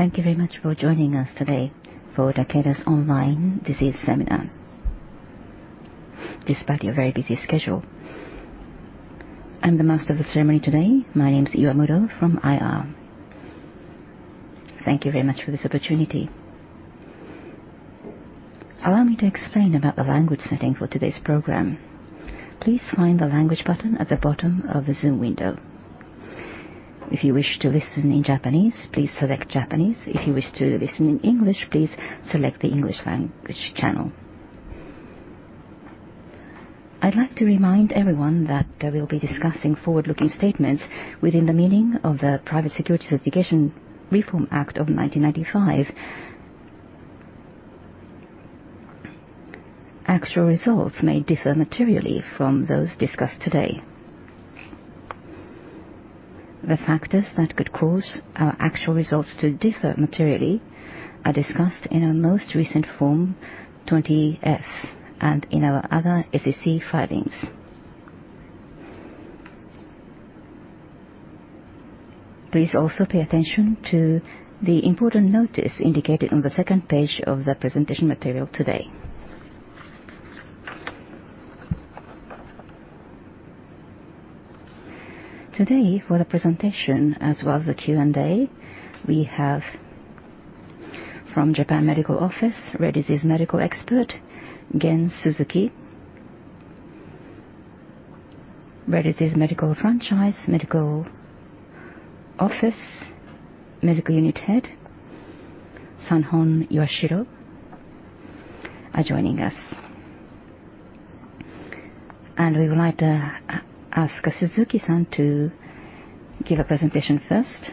Thank you very much for joining us today for Takeda's online disease seminar. Despite your very busy schedule, I'm the master of the ceremony today. My name is Yuamura from IR. Thank you very much for this opportunity. Allow me to explain about the language setting for today's program. Please find the language button at the bottom of the Zoom window. If you wish to listen in Japanese, please select Japanese. If you wish to listen in English, please select the English language channel. I'd like to remind everyone that we'll be discussing forward-looking statements within the meaning of the Private Securities Litigation Reform Act of 1995. Actual results may differ materially from those discussed today. The factors that could cause our actual results to differ materially are discussed in our most recent Form 20-F, and in our other SEC filings. Please also pay attention to the important notice indicated on the second page of the presentation material today. Today, for the presentation as well as the Q&A, we have from Japan Medical Office, Rare Disease Medical Expert, Yasushi Suzuki, Rare Disease Medical Franchise, Medical Office, Medical Unit Head, Seiji Iwashiro, are joining us. We would like to ask Suzuki-san to give a presentation first.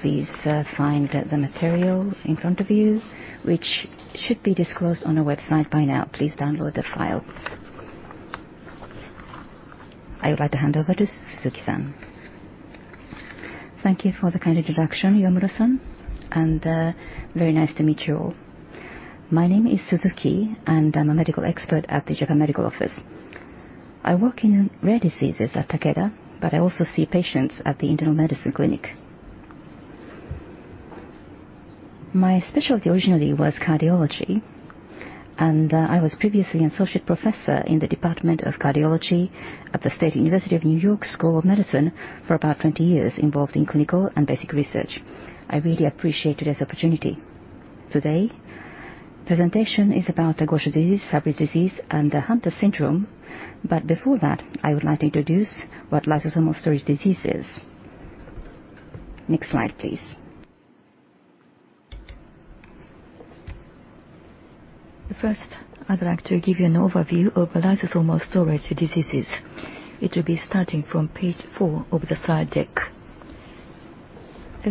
Please find the material in front of you, which should be disclosed on our website by now. Please download the file. I would like to hand over to Suzuki-san. Thank you for the kind introduction, Noriko Yuamura-san, and very nice to meet you all. My name is Suzuki, and I'm a medical expert at the Japan Medical Office. I work in rare diseases at Takeda, but I also see patients at the internal medicine clinic. My specialty originally was cardiology, and I was previously an associate professor in the Department of Cardiology at the State University of New York School of Medicine for about 20 years, involved in clinical and basic research. I really appreciate today's opportunity. Today's presentation is about Gaucher disease, Fabry disease, and Hunter syndrome, but before that, I would like to introduce what lysosomal storage disease is. Next slide, please. First, I'd like to give you an overview of lysosomal storage diseases. It will be starting from page four of the slide deck.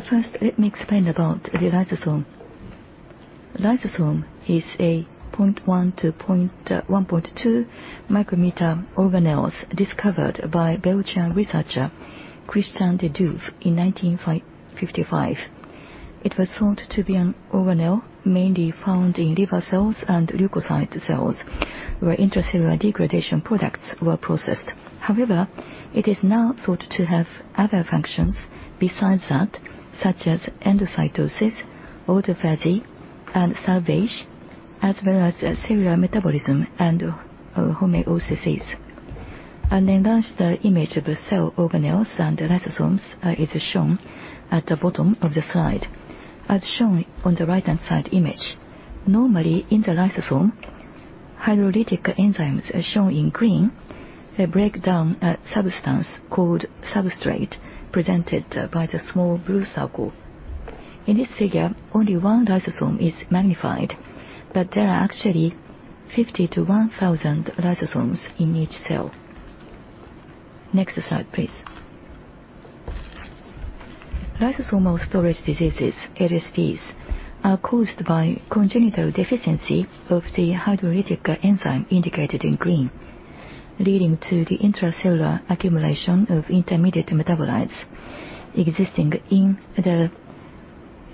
First, let me explain about the lysosome. Lysosome is a 0.1-0.2 micrometer organelle discovered by Belgian researcher Christian de Duve in 1955. It was thought to be an organelle mainly found in liver cells and leukocyte cells where intracellular degradation products were processed. However, it is now thought to have other functions besides that, such as endocytosis, autophagy, and salvage, as well as cellular metabolism and homeostasis. An enlarged image of the cell organelles and lysosomes is shown at the bottom of the slide, as shown on the right-hand side image. Normally, in the lysosome, hydrolytic enzymes shown in green break down a substance called substrate presented by the small blue circle. In this figure, only one lysosome is magnified, but there are actually 50-1,000 lysosomes in each cell. Next slide, please. Lysosomal storage diseases, LSDs, are caused by congenital deficiency of the hydrolytic enzyme indicated in green, leading to the intracellular accumulation of intermediate metabolites existing in the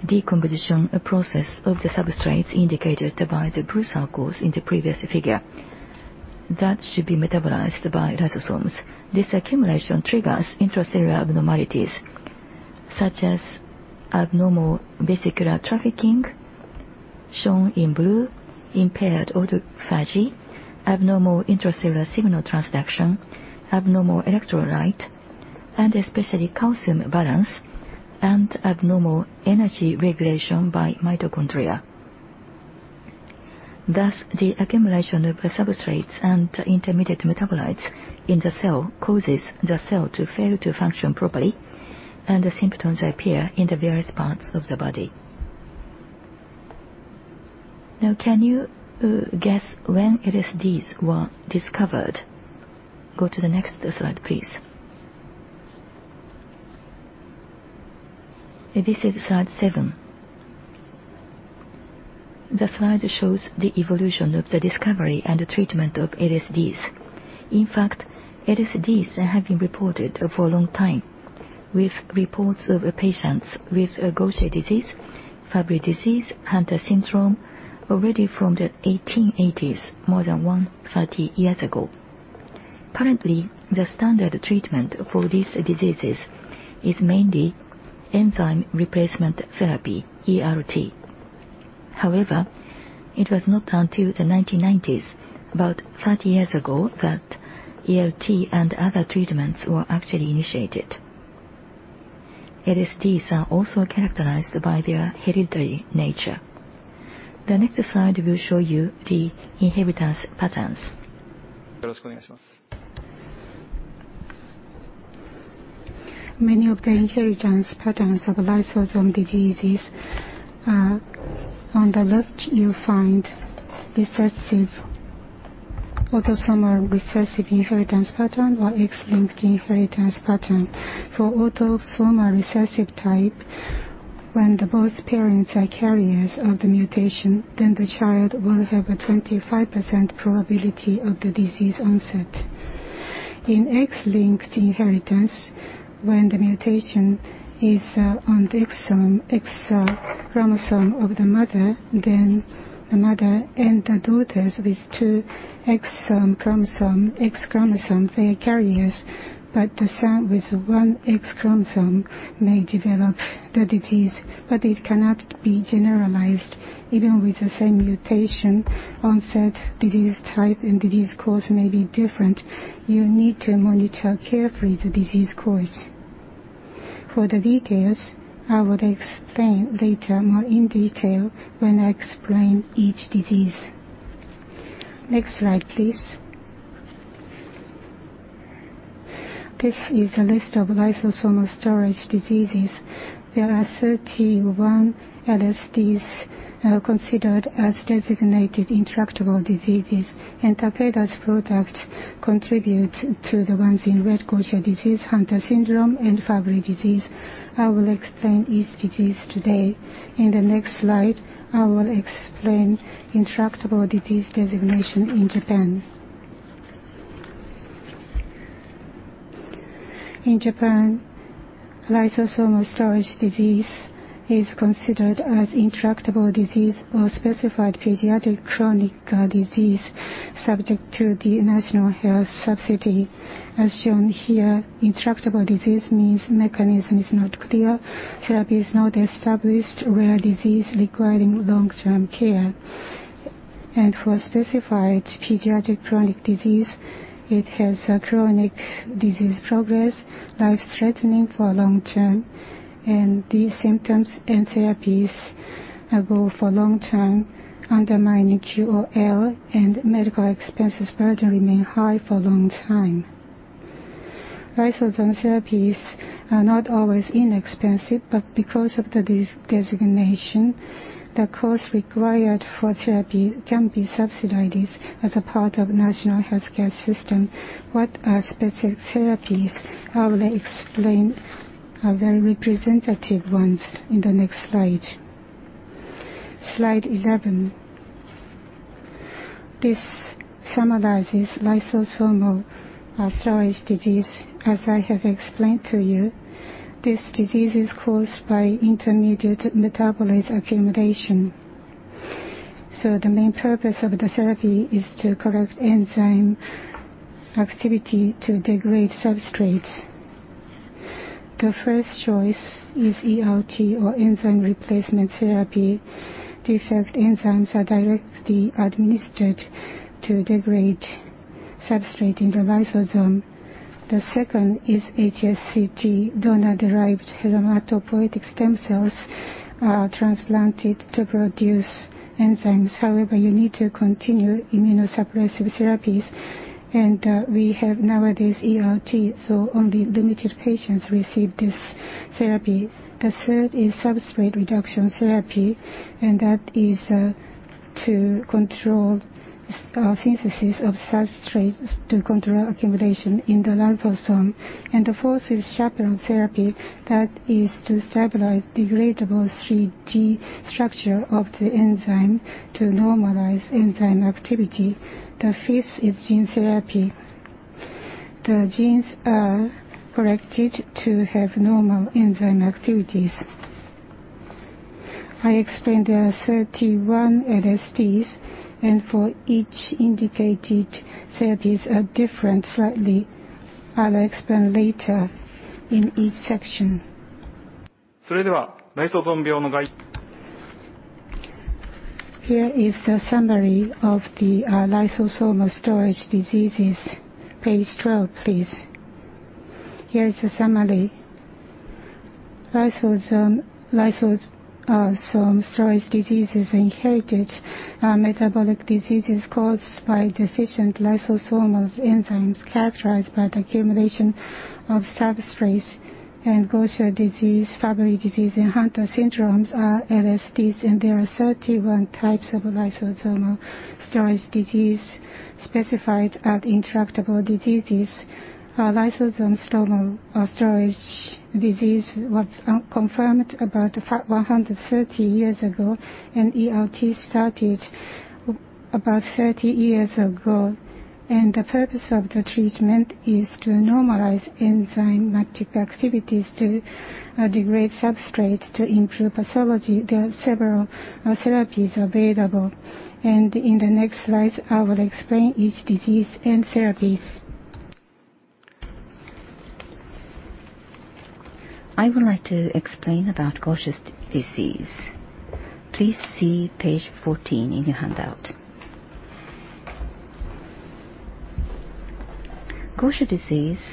decomposition process of the substrates indicated by the blue circles in the previous figure that should be metabolized by lysosomes. This accumulation triggers intracellular abnormalities such as abnormal vesicular trafficking, shown in blue, impaired autophagy, abnormal intracellular signal transduction, abnormal electrolyte, and especially calcium balance, and abnormal energy regulation by mitochondria. Thus, the accumulation of substrates and intermediate metabolites in the cell causes the cell to fail to function properly, and the symptoms appear in the various parts of the body. Now, can you guess when LSDs were discovered? Go to the next slide, please. This is slide seven. The slide shows the evolution of the discovery and treatment of LSDs. In fact, LSDs have been reported for a long time, with reports of patients with Gaucher diseases, Fabry disease, Hunter syndrome already from the 1880s, more than 130 years ago. Currently, the standard treatment for these diseases is mainly enzyme replacement therapy, ERT. However, it was not until the 1990s, about 30 years ago, that ERT and other treatments were actually initiated. LSDs are also characterized by their hereditary nature. The next slide will show you the inheritance patterns. よろしくお願いします。Many of the inheritance patterns of lysosomal storage diseases, on the left, you'll find recessive autosomal recessive inheritance pattern or X-linked inheritance pattern. For autosomal recessive type, when both parents are carriers of the mutation, then the child will have a 25% probability of the disease onset. In X-linked inheritance, when the mutation is on the X chromosome of the mother, then the mother and the daughters with two X chromosomes, X chromosomes, they are carriers, but the son with one X chromosome may develop the disease, but it cannot be generalized. Even with the same mutation, onset, disease type, and disease cause may be different. You need to monitor carefully the disease course. For the details, I will explain later more in detail when I explain each disease. Next slide, please. This is a list of lysosomal storage diseases. There are 31 LSDs considered as designated intractable diseases, and Takeda's products contribute to the ones in red: Gaucher disease, Hunter syndrome, and Fabry disease. I will explain each disease today. In the next slide, I will explain intractable disease designation in Japan. In Japan, lysosomal storage disease is considered as intractable disease or specified pediatric chronic disease subject to the National Health Subsidy, as shown here. Intractable disease means mechanism is not clear, therapy is not established, rare disease requiring long-term care. For specified pediatric chronic disease, it has chronic disease progress, life-threatening for long-term, and these symptoms and therapies go for long-term, undermining QOL, and medical expenses burden remain high for a long time. Lysosomal therapies are not always inexpensive, but because of the designation, the cost required for therapy can be subsidized as a part of the National Healthcare System. What are specific therapies? I will explain very representative ones in the next slide. Slide 11. This summarizes lysosomal storage disease. As I have explained to you, this disease is caused by intermediate metabolite accumulation, so the main purpose of the therapy is to correct enzyme activity to degrade substrates. The first choice is ERT or enzyme replacement therapy. Defective enzymes are directly administered to degrade substrate in the lysosome. The second is HSCT, donor-derived hematopoietic stem cells are transplanted to produce enzymes. However, you need to continue immunosuppressive therapies, and we have nowadays ERT, so only limited patients receive this therapy. The third is substrate reduction therapy, and that is to control synthesis of substrates to control accumulation in the lysosome, and the fourth is chaperone therapy. That is to stabilize degradable 3D structure of the enzyme to normalize enzyme activity. The fifth is gene therapy. The genes are corrected to have normal enzyme activities. I explained there are 31 LSDs, and for each indicated therapies are different slightly. I will explain later in each section. それでは、ライソソーム病の概要。Here is the summary of the lysosomal storage diseases. Page 12, please. Here is the summary. Lysosomal storage diseases inherited metabolic diseases caused by deficient lysosomal enzymes characterized by the accumulation of substrates and Gaucher disease, Fabry disease, and Hunter syndrome are LSDs, and there are 31 types of lysosomal storage disease specified at intractable diseases. Lysosomal storage disease was confirmed about 130 years ago, and ERT started about 30 years ago. And the purpose of the treatment is to normalize enzymatic activities to degrade substrates to improve pathology. There are several therapies available. And in the next slides, I will explain each disease and therapies. I would like to explain about Gaucher disease. Please see page 14 in your handout. Gaucher disease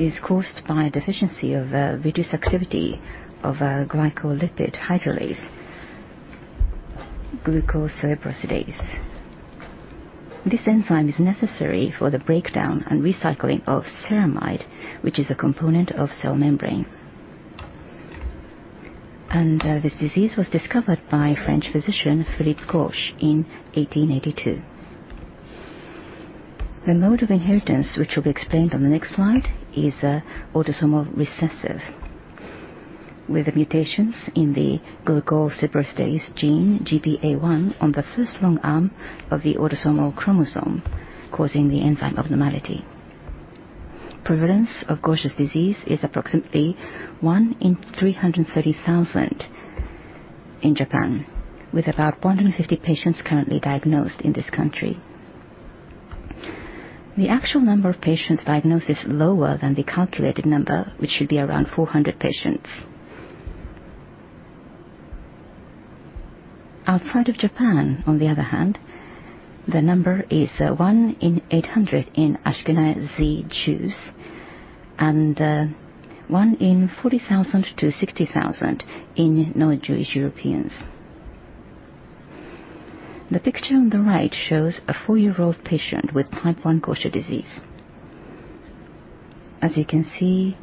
is caused by deficiency of reduced activity of glycolipid hydrolase, glucocerebrosidase. This enzyme is necessary for the breakdown and recycling of ceramide, which is a component of cell membrane. This disease was discovered by French physician Philippe Gaucher in 1882. The mode of inheritance, which will be explained on the next slide, is autosomal recessive with the mutations in the glucocerebrosidase gene, GBA1, on the first long arm of the autosomal chromosome, causing the enzyme abnormality. Prevalence of Gaucher disease is approximately 1 in 330,000 in Japan, with about 150 patients currently diagnosed in this country. The actual number of patients diagnosed is lower than the calculated number, which should be around 400 patients. Outside of Japan, on the other hand, the number is one in 800 in Ashkenazi Jews and one in 40,000 to 60,000 in non-Jewish Europeans. The picture on the right shows a four-year-old patient with Type 1 Gaucher disease. As you can see,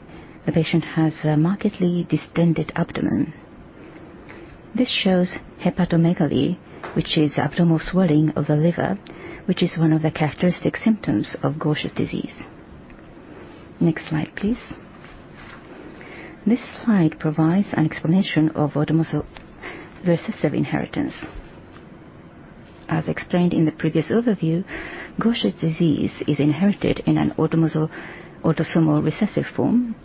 the patient has a markedly distended abdomen. This shows hepatomegaly, which is abdominal swelling of the liver, which is one of the characteristic symptoms of Gaucher disease. Next slide, please. This slide provides an explanation of autosomal recessive inheritance. As explained in the previous overview, Gaucher disease is inherited in an autosomal recessive form,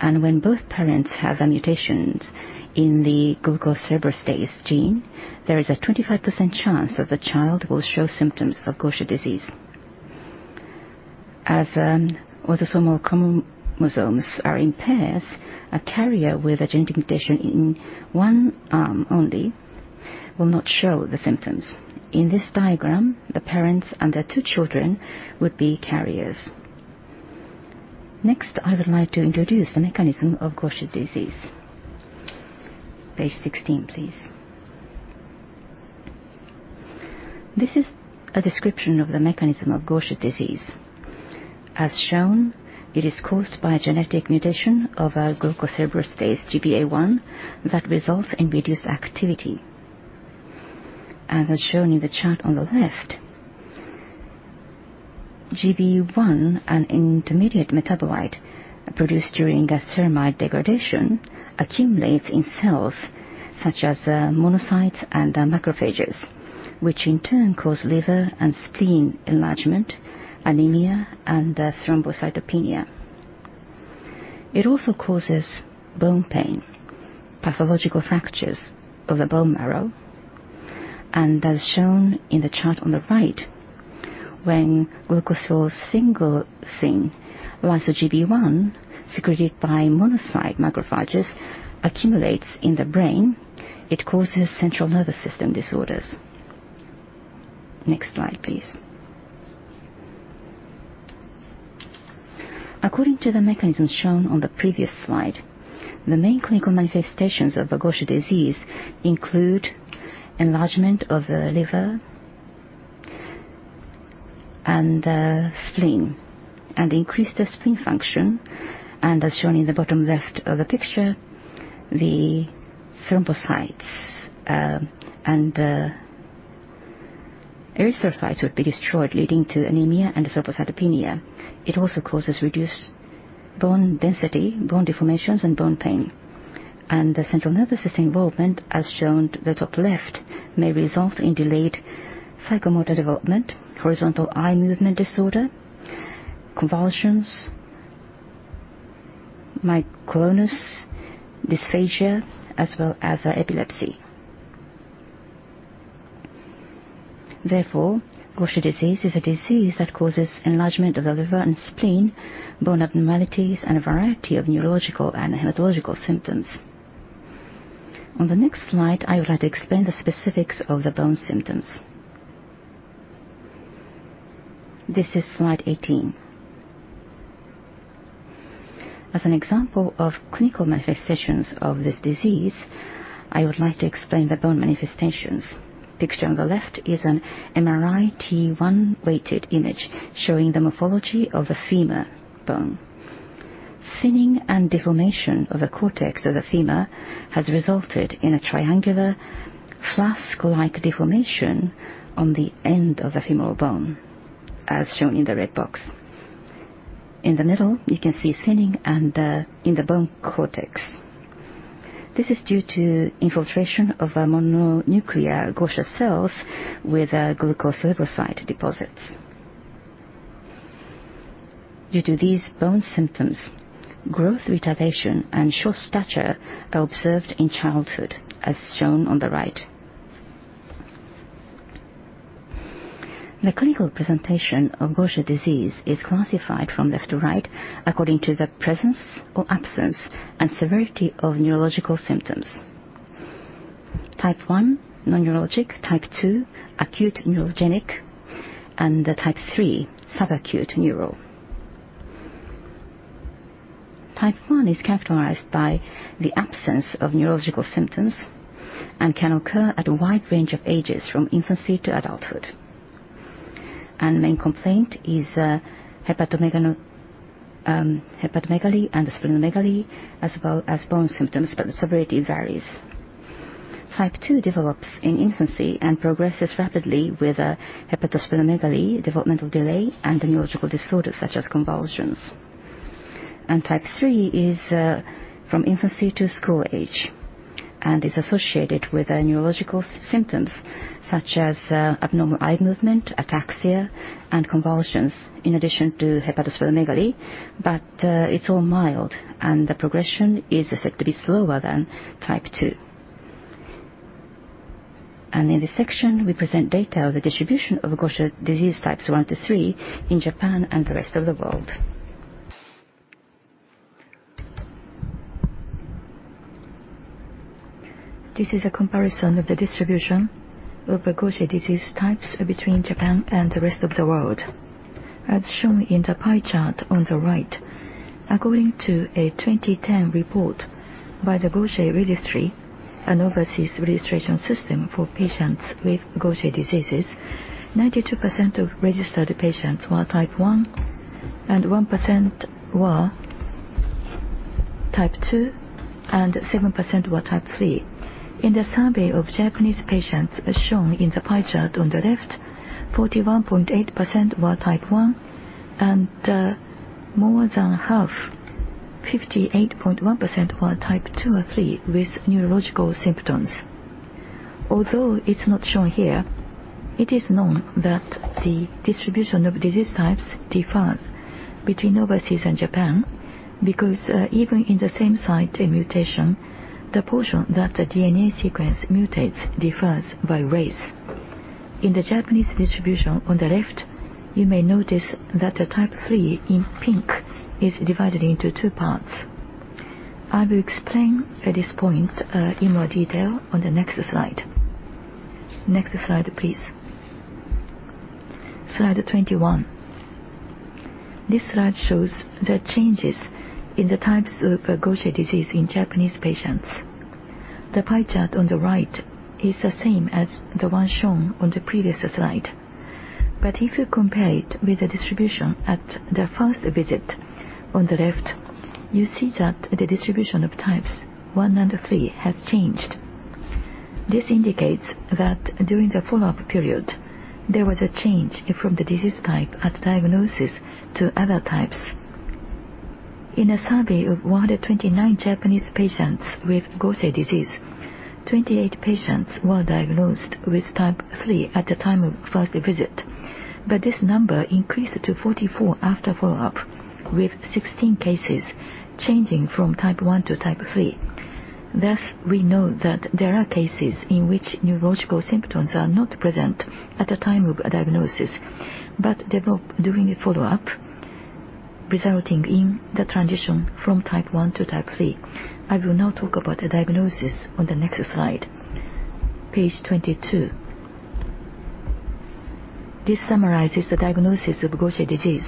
and when both parents have mutations in the glucocerebrosidase gene, there is a 25% chance that the child will show symptoms of Gaucher disease. As autosomal chromosomes are in pairs, a carrier with a genetic mutation in one arm only will not show the symptoms. In this diagram, the parents and the two children would be carriers. Next, I would like to introduce the mechanism of Gaucher disease. Page 16, please. This is a description of the mechanism of Gaucher disease. As shown, it is caused by a genetic mutation of glucocerebrosidase GBA1 that results in reduced activity. As shown in the chart on the left, Gb1, an intermediate metabolite produced during ceramide degradation, accumulates in cells such as monocytes and macrophages, which in turn cause liver and spleen enlargement, anemia, and thrombocytopenia. It also causes bone pain, pathological fractures of the bone marrow, and as shown in the chart on the right, when glucosylsphingosine lyso-Gb1, secreted by monocyte macrophages, accumulates in the brain, it causes central nervous system disorders. Next slide, please. According to the mechanisms shown on the previous slide, the main clinical manifestations of Gaucher disease include enlargement of the liver and spleen and increased spleen function, and as shown in the bottom left of the picture, the thrombocytes and erythrocytes would be destroyed, leading to anemia and thrombocytopenia. It also causes reduced bone density, bone deformations, and bone pain. And the central nervous system involvement, as shown in the top left, may result in delayed psychomotor development, horizontal eye movement disorder, convulsions, myoclonus, dysphagia, as well as epilepsy. Therefore, Gaucher disease is a disease that causes enlargement of the liver and spleen, bone abnormalities, and a variety of neurological and hematological symptoms. On the next slide, I would like to explain the specifics of the bone symptoms. This is slide 18. As an example of clinical manifestations of this disease, I would like to explain the bone manifestations. The picture on the left is an MRI T1-weighted image showing the morphology of the femur bone. Thinning and deformation of the cortex of the femur has resulted in a triangular flask-like deformation on the end of the femoral bone, as shown in the red box. In the middle, you can see thinning in the bone cortex. This is due to infiltration of mononuclear Gaucher cells with glucocerebrosidase deposits. Due to these bone symptoms, growth retardation and short stature are observed in childhood, as shown on the right. The clinical presentation of Gaucher disease is classified from left to right according to the presence or absence and severity of neurological symptoms: Type 1, non-neuronopathic; Type 2, acute neuronopathic; and Type 3, subacute neuronopathic. Type 1 is characterized by the absence of neurological symptoms and can occur at a wide range of ages, from infancy to adulthood. The main complaint is hepatomegaly and splenomegaly, as well as bone symptoms, but the severity varies. Type 2 develops in infancy and progresses rapidly with hepatosplenomegaly, developmental delay, and neurological disorders such as convulsions. Type 3 is from infancy to school age and is associated with neurological symptoms such as abnormal eye movement, ataxia, and convulsions, in addition to hepatosplenomegaly, but it's all mild, and the progression is said to be slower than Type 2. In this section, we present data of the distribution of Gaucher disease types one to three in Japan and the rest of the world. This is a comparison of the distribution of Gaucher disease types between Japan and the rest of the world, as shown in the pie chart on the right. According to a 2010 report by the Gaucher Registry, an overseas registration system for patients with Gaucher diseases, 92% of registered patients were Type 1, and 1% were Type 2, and 7% were Type 3. In the survey of Japanese patients shown in the pie chart on the left, 41.8% were Type 1, and more than half, 58.1%, were Type 2 or 3 with neurological symptoms. Although it's not shown here, it is known that the distribution of disease types differs between overseas and Japan because even in the same site mutation, the portion that the DNA sequence mutates differs by race. In the Japanese distribution on the left, you may notice that Type 3 in pink is divided into two parts. I will explain at this point in more detail on the next slide. Next slide, please. Slide 21. This slide shows the changes in the types of Gaucher disease in Japanese patients. The pie chart on the right is the same as the one shown on the previous slide, but if you compare it with the distribution at the first visit on the left, you see that the distribution of types 1 and 3 has changed. This indicates that during the follow-up period, there was a change from the disease type at diagnosis to other types. In a survey of 129 Japanese patients with Gaucher disease, 28 patients were diagnosed with Type 3 at the time of first visit, but this number increased to 44 after follow-up, with 16 cases changing from Type 1-Type 3. Thus, we know that there are cases in which neurological symptoms are not present at the time of diagnosis but develop during follow-up, resulting in the transition from Type 1 to Type 3. I will now talk about the diagnosis on the next slide, page 22. This summarizes the diagnosis of Gaucher disease.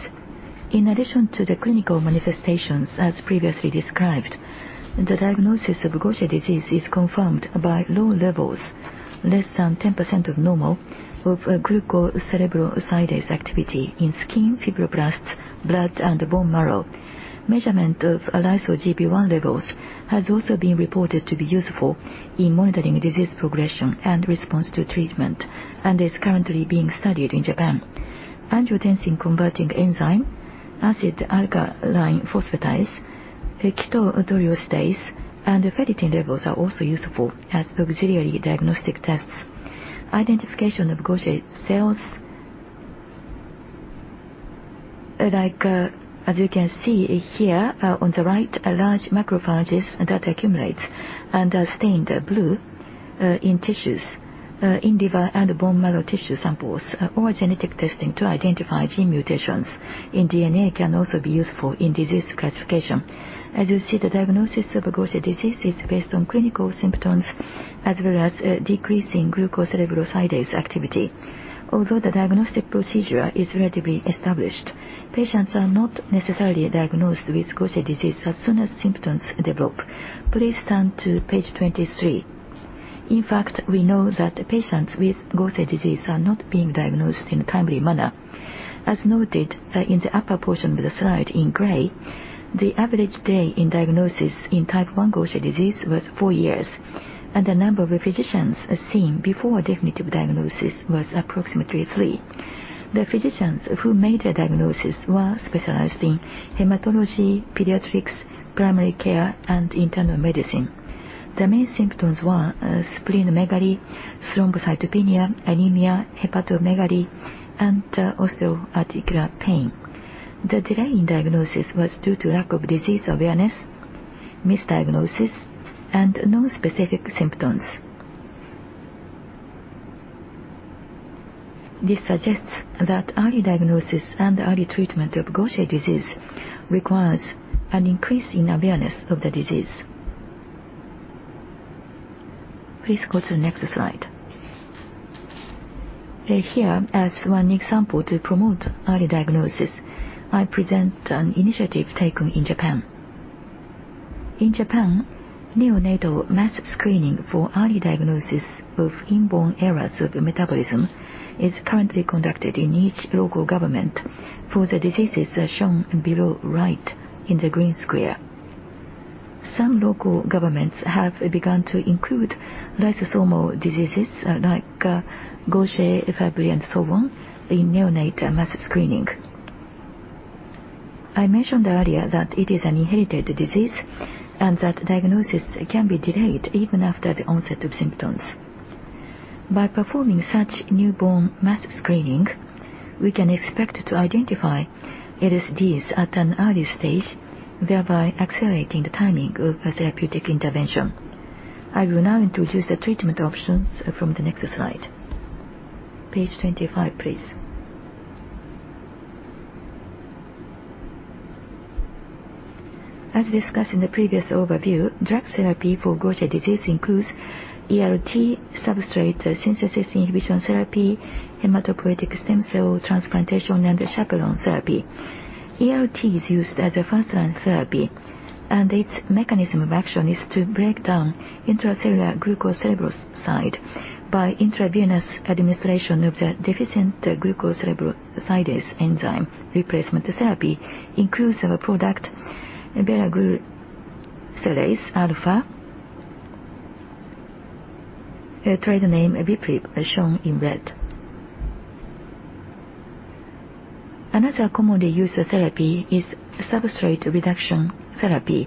In addition to the clinical manifestations as previously described, the diagnosis of Gaucher disease is confirmed by low levels, less than 10% of normal, of glucocerebrosidase activity in skin, fibroblasts, blood, and bone marrow. Measurement of lyso-Gb1 levels has also been reported to be useful in monitoring disease progression and response to treatment, and is currently being studied in Japan. Angiotensin-converting enzyme, acid phosphatase, chitotriosidase, and ferritin levels are also useful as auxiliary diagnostic tests. Identification of Gaucher cells like, as you can see here on the right, large macrophages that accumulate and are stained blue in tissues, in liver and bone marrow tissue samples, or genetic testing to identify gene mutations in DNA can also be useful in disease classification. As you see, the diagnosis of Gaucher disease is based on clinical symptoms as well as decreasing glucocerebrosidase activity. Although the diagnostic procedure is relatively established, patients are not necessarily diagnosed with Gaucher disease as soon as symptoms develop. Please turn to page 23. In fact, we know that patients with Gaucher disease are not being diagnosed in a timely manner. As noted in the upper portion of the slide in gray, the average delay in diagnosis in type 1 Gaucher disease was four years, and the number of physicians seen before definitive diagnosis was approximately three. The physicians who made the diagnosis were specialized in hematology, pediatrics, primary care, and internal medicine. The main symptoms were splenomegaly, thrombocytopenia, anemia, hepatomegaly, and osteoarticular pain. The delay in diagnosis was due to lack of disease awareness, misdiagnosis, and non-specific symptoms. This suggests that early diagnosis and early treatment of Gaucher disease requires an increase in awareness of the disease. Please go to the next slide. Here, as one example to promote early diagnosis, I present an initiative taken in Japan. In Japan, neonatal mass screening for early diagnosis of inborn errors of metabolism is currently conducted in each local government for the diseases shown below right in the green square. Some local governments have begun to include lysosomal diseases like Gaucher, Fabry, and so on in neonatal mass screening. I mentioned earlier that it is an inherited disease and that diagnosis can be delayed even after the onset of symptoms. By performing such newborn mass screening, we can expect to identify LSDs at an early stage, thereby accelerating the timing of therapeutic intervention. I will now introduce the treatment options from the next slide. Page 25, please. As discussed in the previous overview, drug therapy for Gaucher disease includes ERT, substrate reduction therapy, hematopoietic stem cell transplantation, and chaperone therapy. ERT is used as a first-line therapy, and its mechanism of action is to break down intracellular glucocerebrosidase by intravenous administration of the deficient glucocerebrosidase enzyme. Replacement therapy includes a product, Velaglucerase alfa, trade name VPRIV, shown in red. Another commonly used therapy is substrate reduction therapy,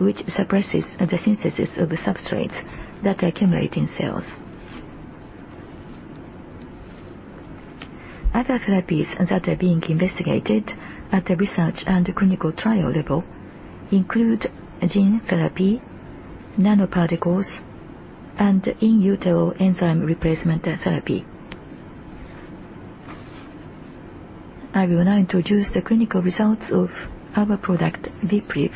which suppresses the synthesis of substrates that accumulate in cells. Other therapies that are being investigated at the research and clinical trial level include gene therapy, nanoparticles, and in utero enzyme replacement therapy. I will now introduce the clinical results of our product, VPRIV,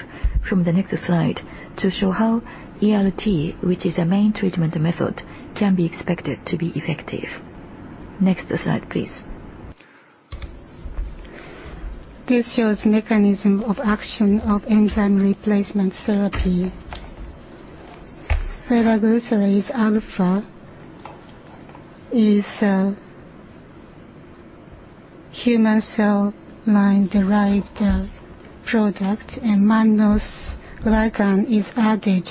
from the next slide to show how ERT, which is a main treatment method, can be expected to be effective. Next slide, please. This shows the mechanism of action of enzyme replacement therapy. Velaglucerase alfa is a human cell line-derived product, and mannose ligand is added,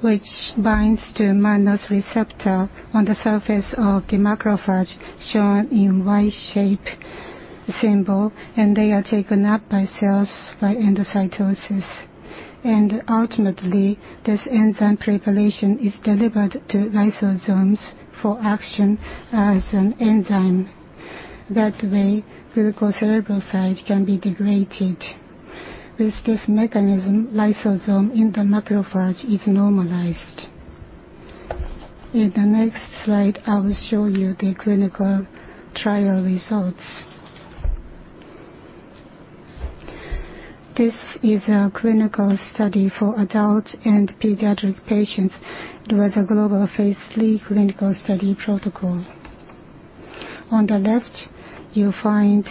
which binds to mannose receptor on the surface of the macrophage shown in Y-shape symbol, and they are taken up by cells by endocytosis. And ultimately, this enzyme preparation is delivered to lysosomes for action as an enzyme. That way, glucocerebrosidase can be degraded. With this mechanism, lysosome in the macrophage is normalized. In the next slide, I will show you the clinical trial results. This is a clinical study for adult and pediatric patients. It was a global phase III clinical study protocol. On the left, you'll find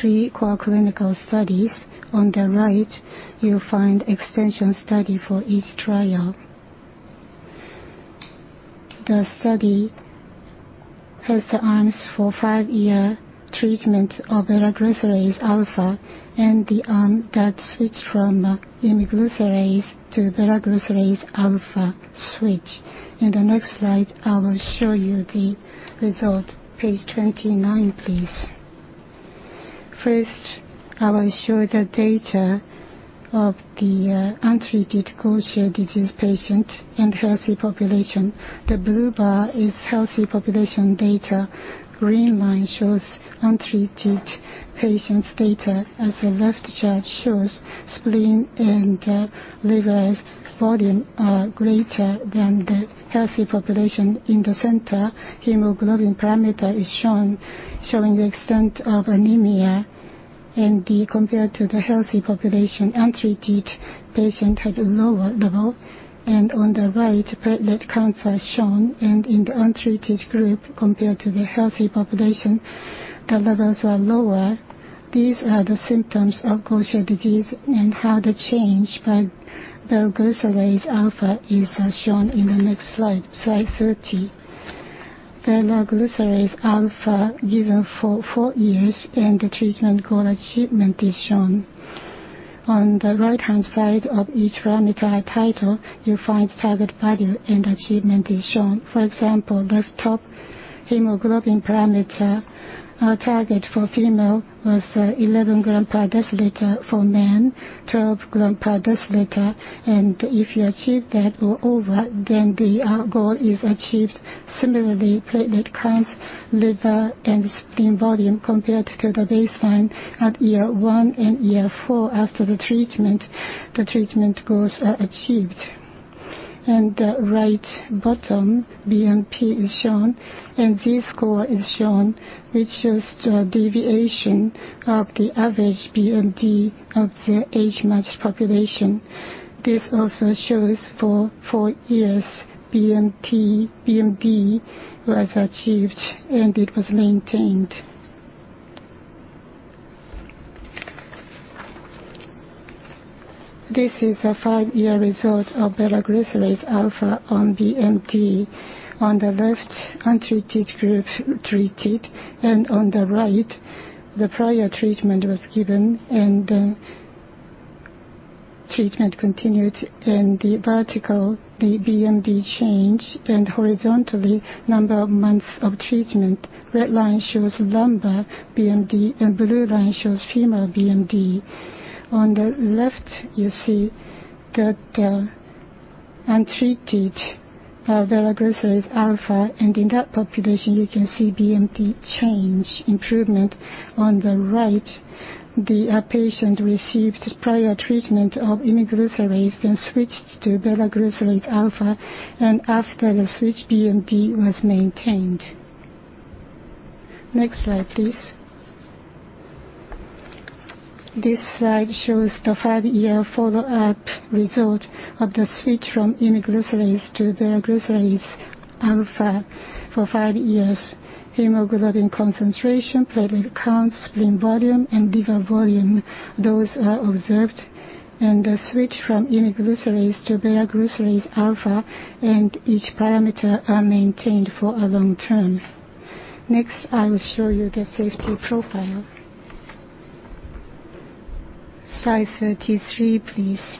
three core clinical studies. On the right, you'll find an extension study for each trial. The study has the arms for five-year treatment of Velaglucerase alfa and the arm that switched from imiglucerase to Velaglucerase alfa switch. In the next slide, I will show you the result. Page 29, please. First, I will show the data of the untreated Gaucher disease patient and healthy population. The blue bar is healthy population data. Green line shows untreated patients' data. As the left chart shows, spleen and liver volume are greater than the healthy population. In the center, hemoglobin parameter is shown, showing the extent of anemia, and compared to the healthy population, untreated patient had a lower level. On the right, platelet counts are shown, and in the untreated group, compared to the healthy population, the levels are lower. These are the symptoms of Gaucher disease and how the change by Velaglucerase alfa is shown in the next slide, slide 30. Velaglucerase alfa given for four years and the treatment goal achievement is shown. On the right-hand side of each parameter title, you find target value and achievement is shown. For example, left top, hemoglobin parameter target for female was 11 grams per deciliter for men, 12 grams per deciliter, and if you achieve that or over, then the goal is achieved. Similarly, platelet counts, liver, and spleen volume compared to the baseline at year one and year four after the treatment, the treatment goals are achieved. And the right bottom, BMD is shown, and Z-score is shown, which shows the deviation of the average BMD of the age-matched population. This also shows for four years, BMD was achieved and it was maintained. This is a five-year result of velaglucerase alfa on BMD. On the left, untreated group treated, and on the right, the prior treatment was given and the treatment continued, and the vertical, the BMD change, and horizontally, number of months of treatment. Red line shows lumbar BMD, and blue line shows femoral BMD. On the left, you see that untreated velaglucerase alfa, and in that population, you can see BMD change, improvement. On the right, the patient received prior treatment of imiglucerase, then switched to velaglucerase alfa, and after the switch, BMD was maintained. Next slide, please. This slide shows the five-year follow-up result of the switch from Imiglucerase to velaglucerase alfa for five years. Hemoglobin concentration, platelet count, spleen volume, and liver volume, those are observed, and the switch from Imiglucerase to velaglucerase alfa and each parameter are maintained for a long term. Next, I will show you the safety profile. Slide 33, please.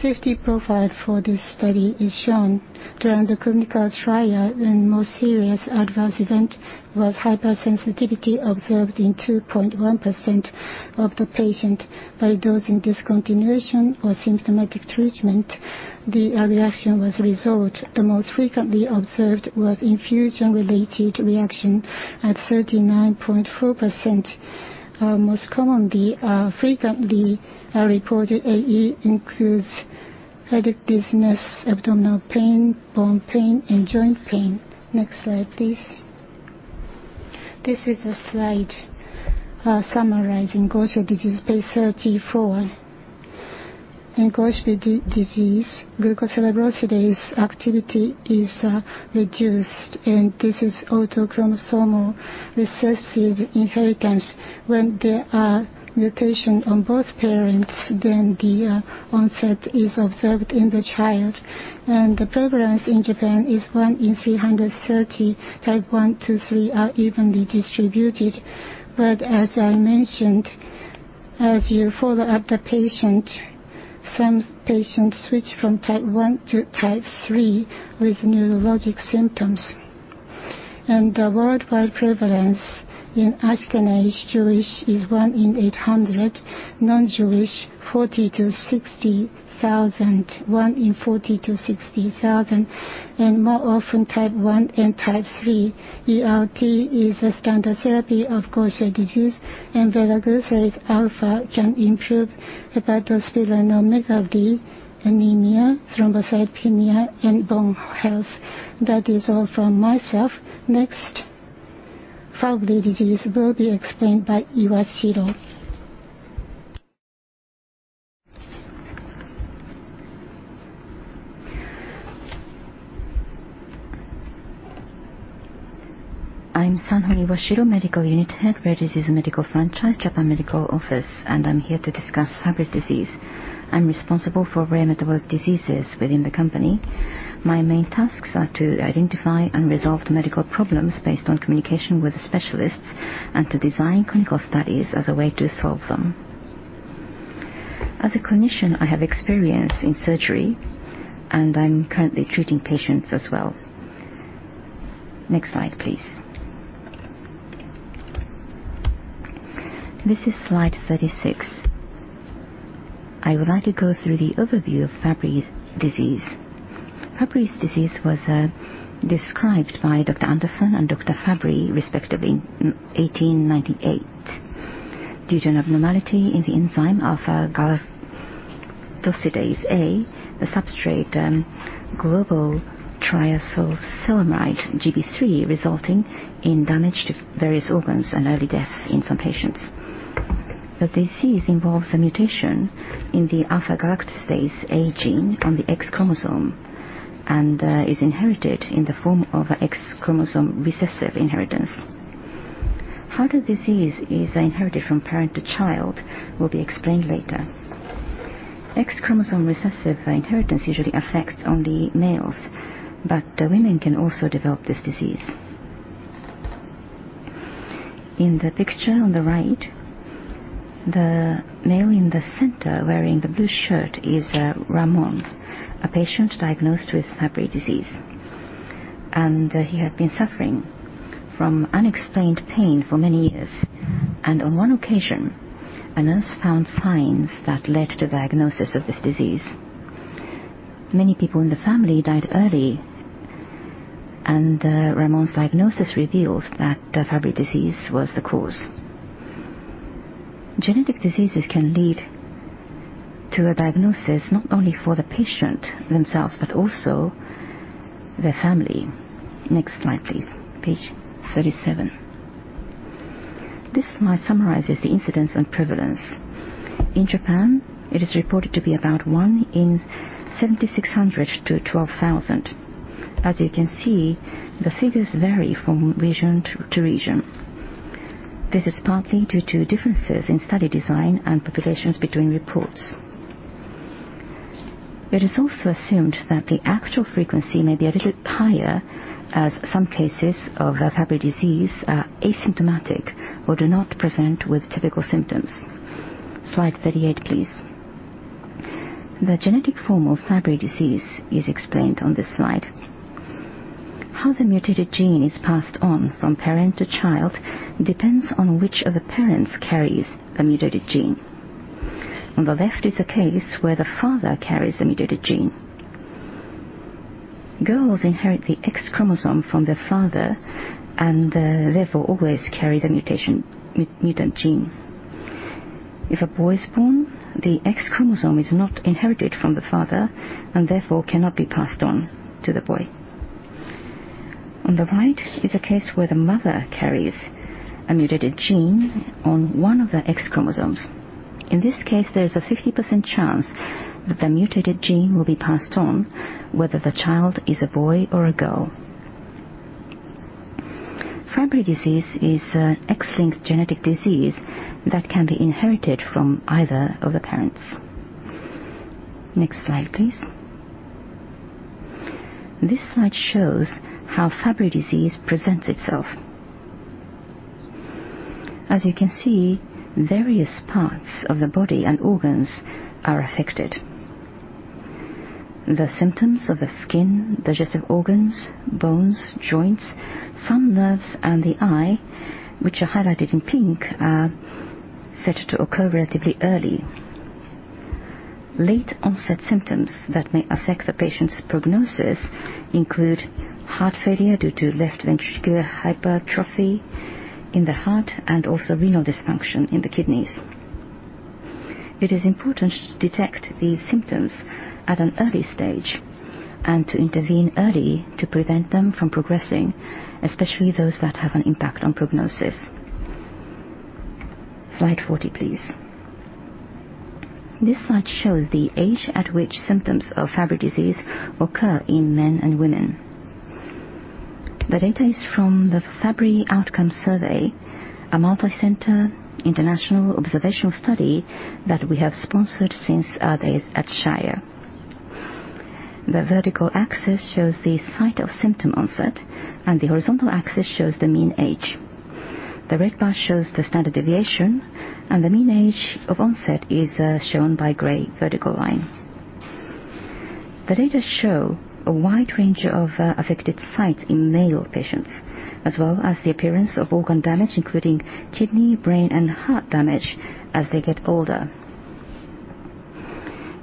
Safety profile for this study is shown. During the clinical trial, a more serious adverse event was hypersensitivity observed in 2.1% of the patient by dosing discontinuation or symptomatic treatment. The reaction was resolved. The most frequently observed was infusion-related reaction at 39.4%. Most commonly, frequently reported AE includes headache, dizziness, abdominal pain, bone pain, and joint pain. Next slide, please. This is a slide summarizing Gaucher disease phase III, IV. In Gaucher disease, glucocerebrosidase activity is reduced, and this is autosomal recessive inheritance. When there are mutations on both parents, then the onset is observed in the child, and the prevalence in Japan is 1 in 330. Type 1, 2, 3 are evenly distributed, but as I mentioned, as you follow up the patient, some patients switch from type 1-Type 3 with neurologic symptoms. The worldwide prevalence in Ashkenazi Jewish is 1 in 800, non-Jewish 1 in 40,000-60,000, and more often type 1 and Type 3. ERT is a standard therapy of Gaucher disease, and velaglucerase alfa can improve hepatosplenomegaly, anemia, thrombocytopenia, and bone health. That is all from myself. Next, Fabry disease will be explained by Iwashiro. I'm Sanju Iwashiro, Medical Unit Head Rare Disease Medical Franchise, Japan Medical Office, and I'm here to discuss Fabry disease. I'm responsible for rare metabolic diseases within the company. My main tasks are to identify unresolved medical problems based on communication with specialists and to design clinical studies as a way to solve them. As a clinician, I have experience in surgery, and I'm currently treating patients as well. Next slide, please. This is slide 36. I would like to go through the overview of Fabry disease. Fabry disease was described by Dr. Anderson and Dr. Fabry, respectively, in 1898 due to an abnormality in the enzyme alpha-galactosidase A, the substrate globotriaosylceramide Gb3, resulting in damage to various organs and early death in some patients. The disease involves a mutation in the alpha-galactosidase A gene on the X chromosome and is inherited in the form of X-linked recessive inheritance. How the disease is inherited from parent to child will be explained later. X-linked recessive inheritance usually affects only males, but women can also develop this disease. In the picture on the right, the male in the center wearing the blue shirt is Ramon, a patient diagnosed with Fabry disease, and he had been suffering from unexplained pain for many years, and on one occasion, a nurse found signs that led to the diagnosis of this disease. Many people in the family died early, and Ramon's diagnosis revealed that Fabry disease was the cause. Genetic diseases can lead to a diagnosis not only for the patient themselves but also their family. Next slide, please. Page 37. This slide summarizes the incidence and prevalence. In Japan, it is reported to be about 1 in 7,600-12,000. As you can see, the figures vary from region to region. This is partly due to differences in study design and populations between reports. It is also assumed that the actual frequency may be a little higher as some cases of Fabry disease are asymptomatic or do not present with typical symptoms. Slide 38, please. The genetic form of Fabry disease is explained on this slide. How the mutated gene is passed on from parent to child depends on which of the parents carries the mutated gene. On the left is a case where the father carries the mutated gene. Girls inherit the X chromosome from their father and therefore always carry the mutant gene. If a boy is born, the X chromosome is not inherited from the father and therefore cannot be passed on to the boy. On the right is a case where the mother carries a mutated gene on one of the X chromosomes. In this case, there is a 50% chance that the mutated gene will be passed on, whether the child is a boy or a girl. Fabry disease is an X-linked genetic disease that can be inherited from either of the parents. Next slide, please. This slide shows how Fabry disease presents itself. As you can see, various parts of the body and organs are affected. The symptoms of the skin, digestive organs, bones, joints, some nerves, and the eye, which are highlighted in pink, are said to occur relatively early. Late-onset symptoms that may affect the patient's prognosis include heart failure due to left ventricular hypertrophy in the heart and also renal dysfunction in the kidneys. It is important to detect these symptoms at an early stage and to intervene early to prevent them from progressing, especially those that have an impact on prognosis. Slide 40, please. This slide shows the age at which symptoms of Fabry disease occur in men and women. The data is from the Fabry Outcome Survey, a multicenter international observational study that we have sponsored since our days at Shire. The vertical axis shows the site of symptom onset, and the horizontal axis shows the mean age. The red bar shows the standard deviation, and the mean age of onset is shown by gray vertical line. The data show a wide range of affected sites in male patients, as well as the appearance of organ damage, including kidney, brain, and heart damage as they get older.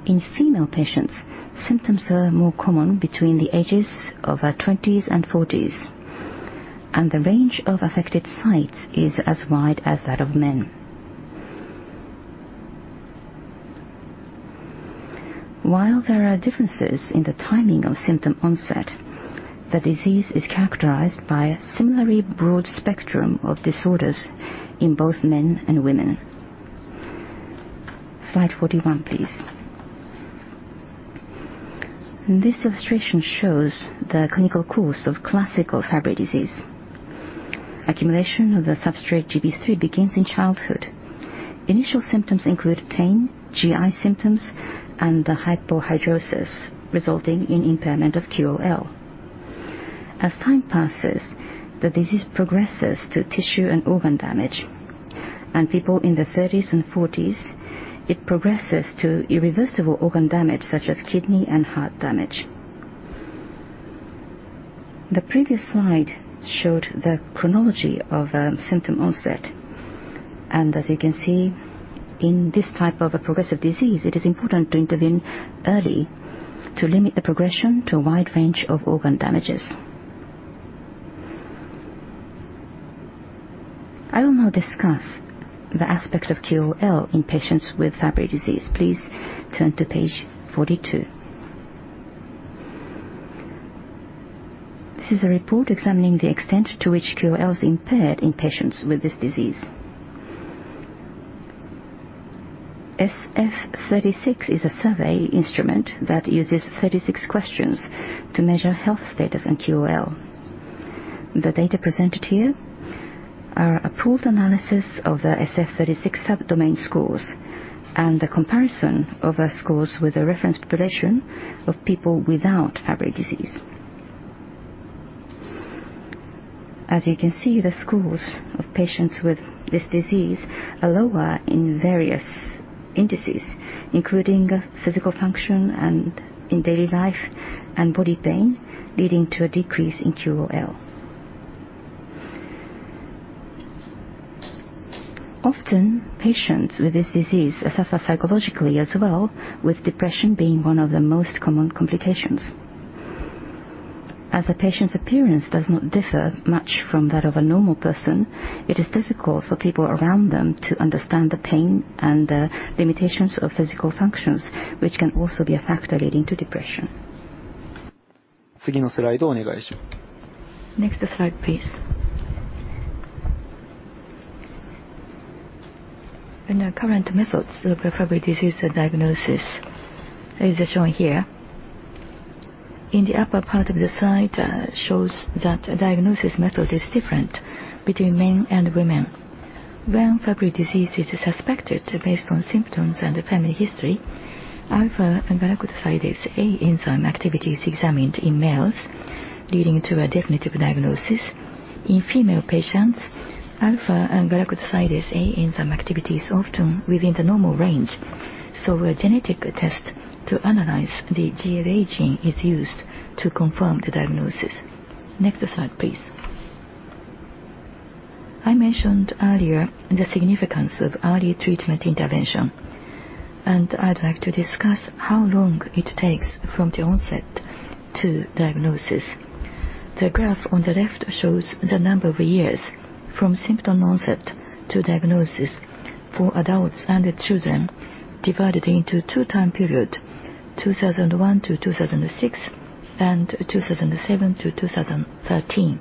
In female patients, symptoms are more common between the ages of 20s and 40s, and the range of affected sites is as wide as that of men. While there are differences in the timing of symptom onset, the disease is characterized by a similarly broad spectrum of disorders in both men and women. Slide 41, please. This illustration shows the clinical course of classical Fabry disease. Accumulation of the substrate Gb3 begins in childhood. Initial symptoms include pain, GI symptoms, and the hypohidrosis resulting in impairment of QOL. As time passes, the disease progresses to tissue and organ damage, and in people in their 30s and 40s, it progresses to irreversible organ damage such as kidney and heart damage. The previous slide showed the chronology of symptom onset, and as you can see, in this type of progressive disease, it is important to intervene early to limit the progression to a wide range of organ damages. I will now discuss the aspect of QOL in patients with Fabry disease. Please turn to page 42. This is a report examining the extent to which QOL is impaired in patients with this disease. SF-36 is a survey instrument that uses 36 questions to measure health status and QOL. The data presented here are a pooled analysis of the SF-36 subdomain scores and the comparison of scores with a reference population of people without Fabry disease. As you can see, the scores of patients with this disease are lower in various indices, including physical function and in daily life and body pain, leading to a decrease in QOL. Often, patients with this disease suffer psychologically as well, with depression being one of the most common complications. As a patient's appearance does not differ much from that of a normal person, it is difficult for people around them to understand the pain and the limitations of physical functions, which can also be a factor leading to depression. 次のスライドをお願いします。Next slide, please. The current methods of Fabry disease diagnosis are shown here. In the upper part of the slide, it shows that the diagnosis method is different between men and women. When Fabry disease is suspected based on symptoms and family history, Alpha-galactosidase A enzyme activity is examined in males, leading to a definitive diagnosis. In female patients, Alpha-galactosidase A enzyme activity is often within the normal range, so a genetic test to analyze the GLA gene is used to confirm the diagnosis. Next slide, please. I mentioned earlier the significance of early treatment intervention, and I'd like to discuss how long it takes from the onset to diagnosis. The graph on the left shows the number of years from symptom onset to diagnosis for adults and children, divided into two time periods, 2001 to 2006 and 2007-2013.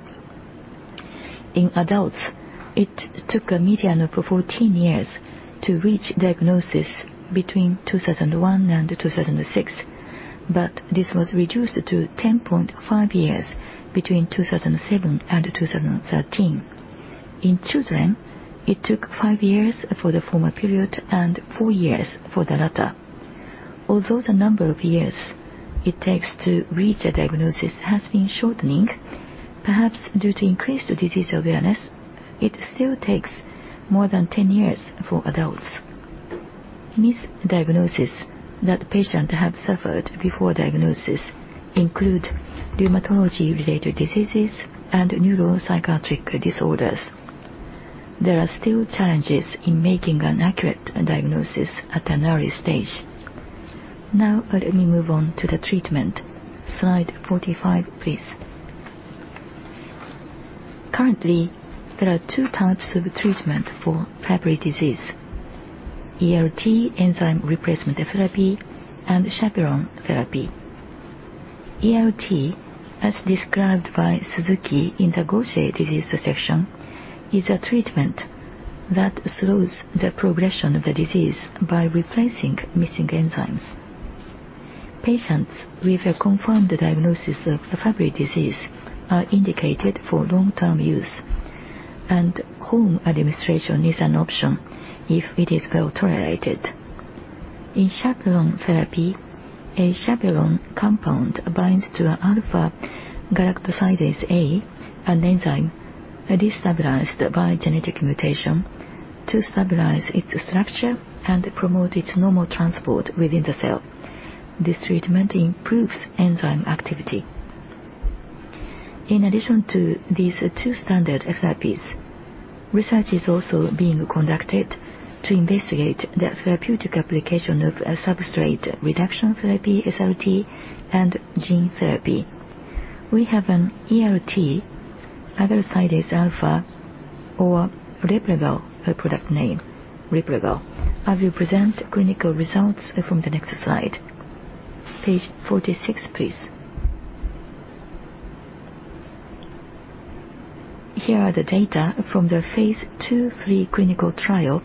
In adults, it took a median of 14 years to reach diagnosis between 2001 and 2006, but this was reduced to 10.5 years between 2007 and 2013. In children, it took five years for the former period and four years for the latter. Although the number of years it takes to reach a diagnosis has been shortening, perhaps due to increased disease awareness, it still takes more than 10 years for adults. Misdiagnoses that patients have suffered before diagnosis include rheumatology-related diseases and neuropsychiatric disorders. There are still challenges in making an accurate diagnosis at an early stage. Now, let me move on to the treatment. Slide 45, please. Currently, there are two types of treatment for Fabry disease: ERT, enzyme replacement therapy, and chaperone therapy. ERT, as described by Suzuki in the Gaucher disease section, is a treatment that slows the progression of the disease by replacing missing enzymes. Patients with a confirmed diagnosis of Fabry disease are indicated for long-term use, and home administration is an option if it is well tolerated. In chaperone therapy, a chaperone compound binds to an alpha-galactosidase A, an enzyme destabilized by genetic mutation, to stabilize its structure and promote its normal transport within the cell. This treatment improves enzyme activity. In addition to these two standard therapies, research is also being conducted to investigate the therapeutic application of substrate reduction therapy, SRT, and gene therapy. We have an ERT, agalsidase alfa, or Replagal product name, Replagal. I will present clinical results from the next slide. Page 46, please. Here are the data from the phase 2/3 clinical trial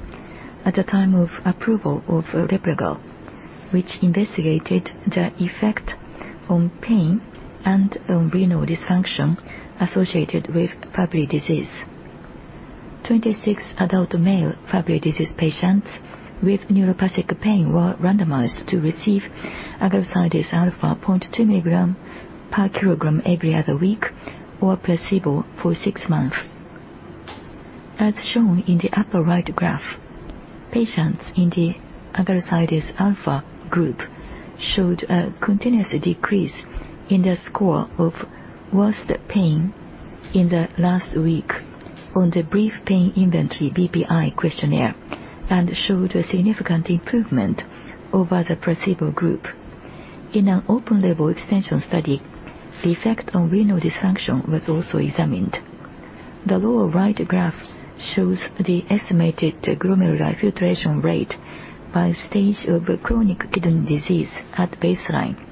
at the time of approval of Replagal, which investigated the effect on pain and on renal dysfunction associated with Fabry disease. 26 adult male Fabry disease patients with neuropathic pain were randomized to receive agalsidase alfa 0.2 milligrams per kilogram every other week or placebo for six months. As shown in the upper right graph, patients in the agalsidase alfa group showed a continuous decrease in the score of worst pain in the last week on the Brief Pain Inventory BPI questionnaire and showed a significant improvement over the placebo group. In an open-label extension study, the effect on renal dysfunction was also examined. The lower right graph shows the estimated glomerular filtration rate by stage of chronic kidney disease at baseline.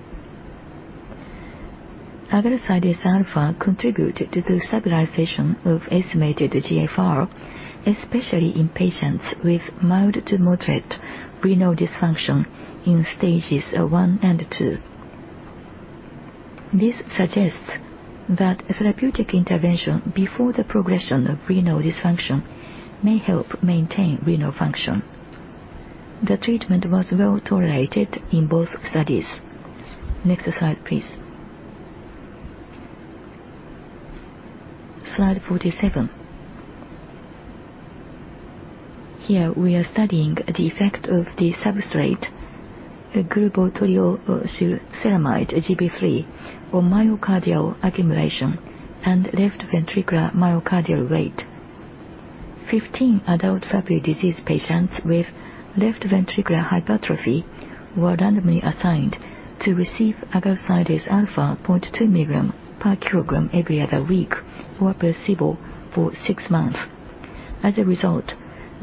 Agalsidase alfa contributes to the stabilization of estimated GFR, especially in patients with mild to moderate renal dysfunction in stages one and two. This suggests that therapeutic intervention before the progression of renal dysfunction may help maintain renal function. The treatment was well tolerated in both studies. Next slide, please. Slide 47. Here we are studying the effect of the substrate, globotriaosylceramide Gb3, on myocardial accumulation and left ventricular myocardial mass. 15 adult Fabry disease patients with left ventricular hypertrophy were randomly assigned to receive agalsidase alfa 0.2 milligrams per kilogram every other week or placebo for six months. As a result,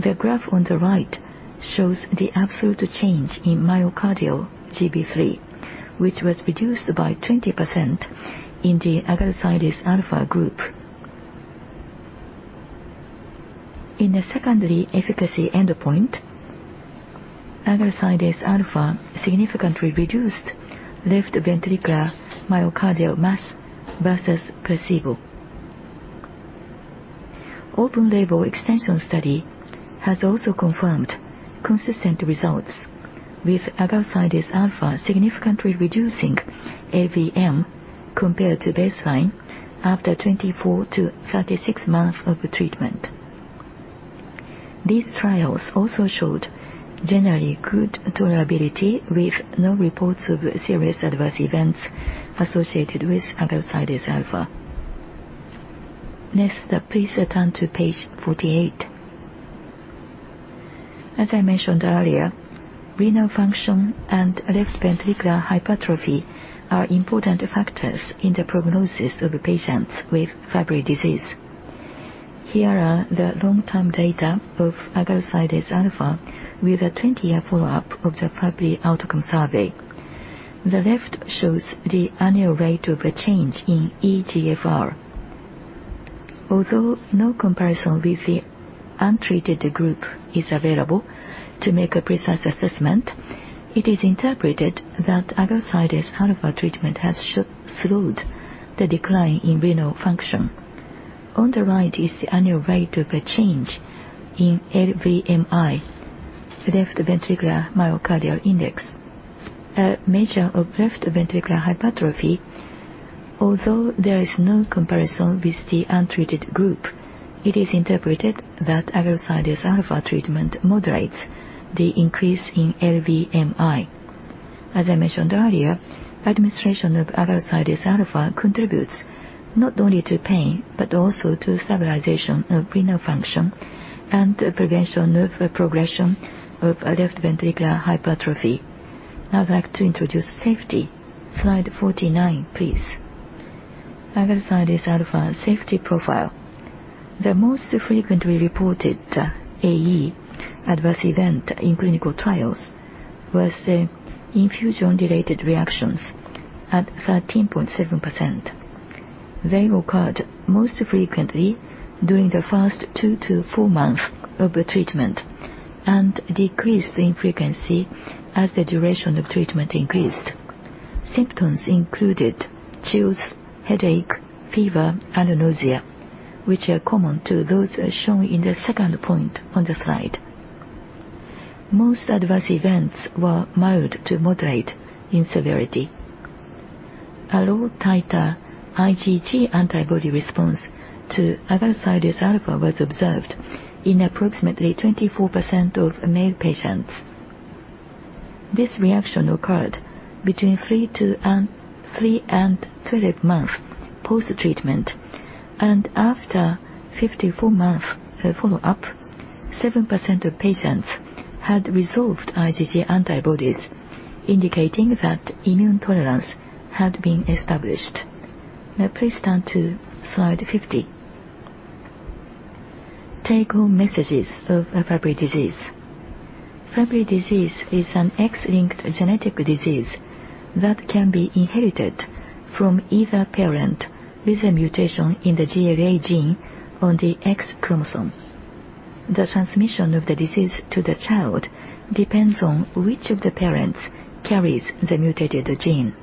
the graph on the right shows the absolute change in myocardial Gb3, which was reduced by 20% in the agalsidase alfa group. In the secondary efficacy endpoint, agalsidase alfa significantly reduced left ventricular myocardial mass versus placebo. Open-label extension study has also confirmed consistent results, with agalsidase alfa significantly reducing LVM compared to baseline after 24-36 months of treatment. These trials also showed generally good tolerability with no reports of serious adverse events associated with agalsidase alfa. Next, please turn to page 48. As I mentioned earlier, renal function and left ventricular hypertrophy are important factors in the prognosis of patients with Fabry disease. Here are the long-term data of agalsidase alfa with a 20-year follow-up of the Fabry Outcome Survey. The left shows the annual rate of change in eGFR. Although no comparison with the untreated group is available to make a precise assessment, it is interpreted that agalsidase alfa treatment has slowed the decline in renal function. On the right is the annual rate of change in LVMI, left ventricular myocardial index. A measure of left ventricular hypertrophy, although there is no comparison with the untreated group, it is interpreted that agalsidase alfa treatment moderates the increase in LVMI. As I mentioned earlier, administration of agalsidase alfa contributes not only to pain but also to stabilization of renal function and prevention of progression of left ventricular hypertrophy. I'd like to introduce safety. Slide 49, please. Agalsidase alfa safety profile. The most frequently reported AE adverse event in clinical trials was infusion-related reactions at 13.7%. They occurred most frequently during the first two to four months of treatment and decreased in frequency as the duration of treatment increased. Symptoms included chills, headache, fever, and nausea, which are common to those shown in the second point on the slide. Most adverse events were mild to moderate in severity. A low-titer IgG antibody response to agalsidase alfa was observed in approximately 24% of male patients. This reaction occurred between 3 and 12 months post-treatment, and after 54 months of follow-up, 7% of patients had resolved IgG antibodies, indicating that immune tolerance had been established. Now, please turn to slide 50. Take-home messages of Fabry disease. Fabry disease is an X-linked genetic disease that can be inherited from either parent with a mutation in the GLA gene on the X chromosome. The transmission of the disease to the child depends on which of the parents carries the mutated gene.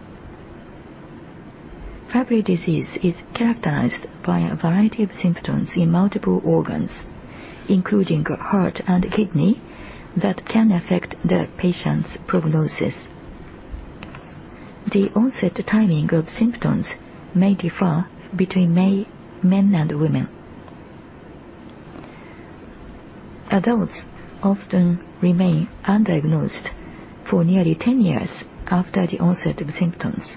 Fabry disease is characterized by a variety of symptoms in multiple organs, including heart and kidney, that can affect the patient's prognosis. The onset timing of symptoms may differ between men and women. Adults often remain undiagnosed for nearly 10 years after the onset of symptoms.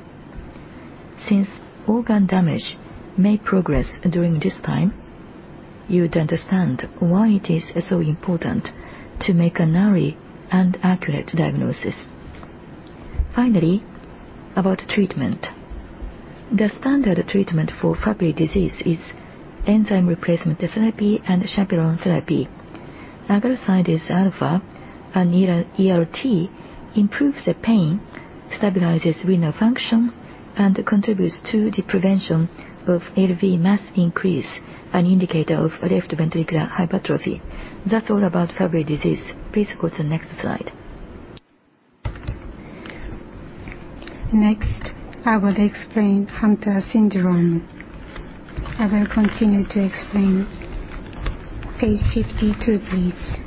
Since organ damage may progress during this time, you'd understand why it is so important to make an early and accurate diagnosis. Finally, about treatment. The standard treatment for Fabry disease is enzyme replacement therapy and chaperone therapy. Agalsidase alfa and ERT improve the pain, stabilize renal function, and contribute to the prevention of LV mass increase, an indicator of left ventricular hypertrophy. That's all about Fabry disease. Please go to the next slide. Next, I will explain Hunter syndrome. I will continue to explain. Page 52, please.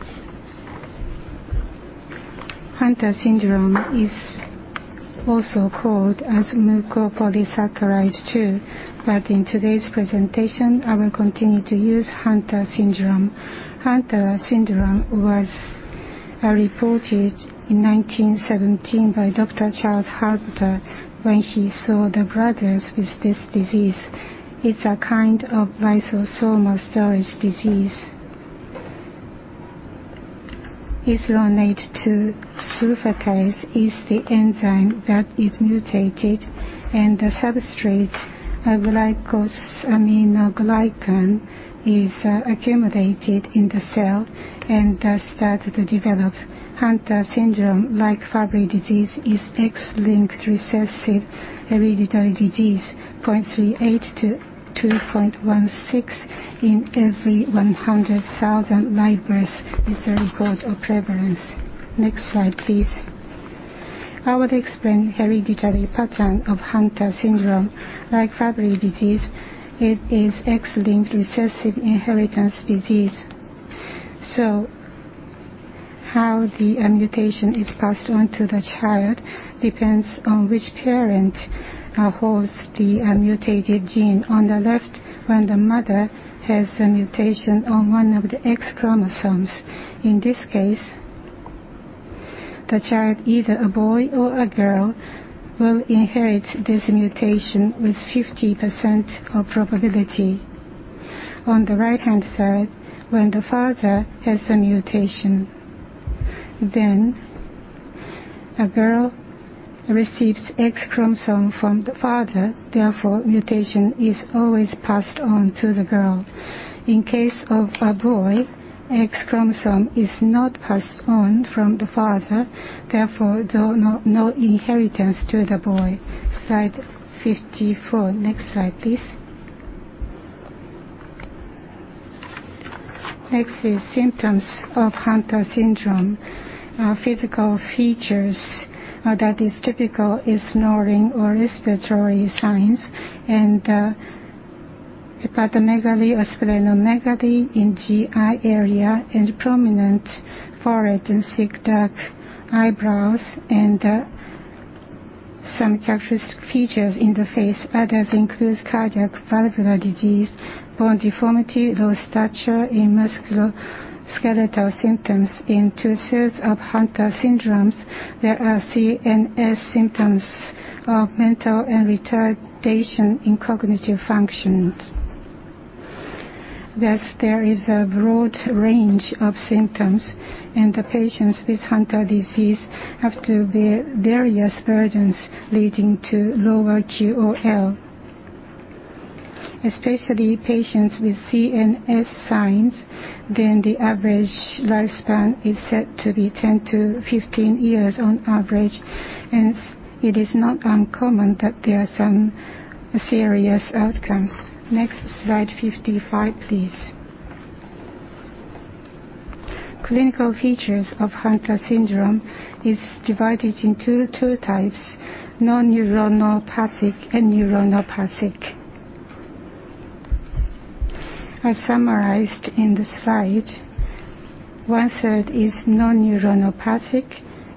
Hunter syndrome is also called as mucopolysaccharidosis II, but in today's presentation, I will continue to use Hunter syndrome. Hunter syndrome was reported in 1917 by Dr. Charles Hunter when he saw the brothers with this disease. It's a kind of lysosomal storage disease. Iduronate-2-sulfatase is the enzyme that is mutated, and the substrate, a glycosaminoglycan, is accumulated in the cell and starts to develop. Hunter syndrome, like Fabry disease, is X-linked recessive hereditary disease, 0.38-2.16 in every 100,000 live births is a report of prevalence. Next slide, please. I will explain hereditary pattern of Hunter syndrome. Like Fabry disease, it is X-linked recessive inheritance disease. So how the mutation is passed on to the child depends on which parent holds the mutated gene. On the left, when the mother has a mutation on one of the X chromosomes. In this case, the child, either a boy or a girl, will inherit this mutation with 50% of probability. On the right-hand side, when the father has a mutation, then a girl receives X chromosome from the father; therefore, mutation is always passed on to the girl. In case of a boy, X chromosome is not passed on from the father; therefore, no inheritance to the boy. Slide 54. Next slide, please. Next is symptoms of Hunter syndrome. Physical features that are typical are snoring or respiratory signs and hepatomegaly or splenomegaly in GI area and prominent forehead and thick dark eyebrows and some characteristic features in the face. Others include cardiac valvular disease, bone deformity, low stature, and musculoskeletal symptoms. In two-thirds of Hunter syndrome, there are CNS symptoms of mental retardation in cognitive function. Thus, there is a broad range of symptoms, and the patients with Hunter disease have to bear various burdens leading to lower QOL. Especially patients with CNS signs, then the average lifespan is set to be 10 to 15 years on average, and it is not uncommon that there are some serious outcomes. Next slide, 55, please. Clinical features of Hunter syndrome are divided into two types: non-neuronopathic and neuronopathic. As summarized in the slide, one-third is non-neuronopathic,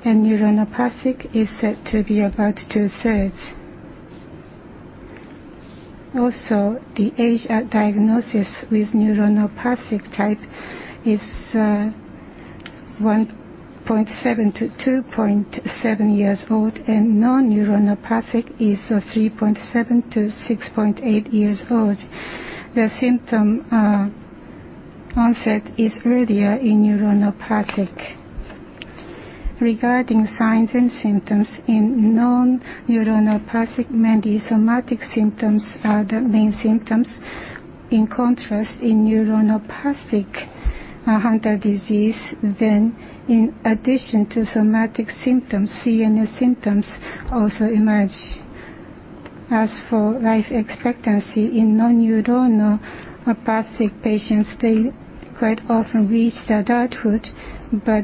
and neuronopathic is said to be about two-thirds. Also, the age diagnosis with neuronopathic type is 1.7 to 2.7 years old, and non-neuronopathic is 3.7 to 6.8 years old. The symptom onset is earlier in neuronopathic. Regarding signs and symptoms, in non-neuronopathic, mainly somatic symptoms are the main symptoms. In contrast, in neuronopathic Hunter syndrome, then in addition to somatic symptoms, CNS symptoms also emerge. As for life expectancy, in non-neuronopathic patients, they quite often reach adulthood, but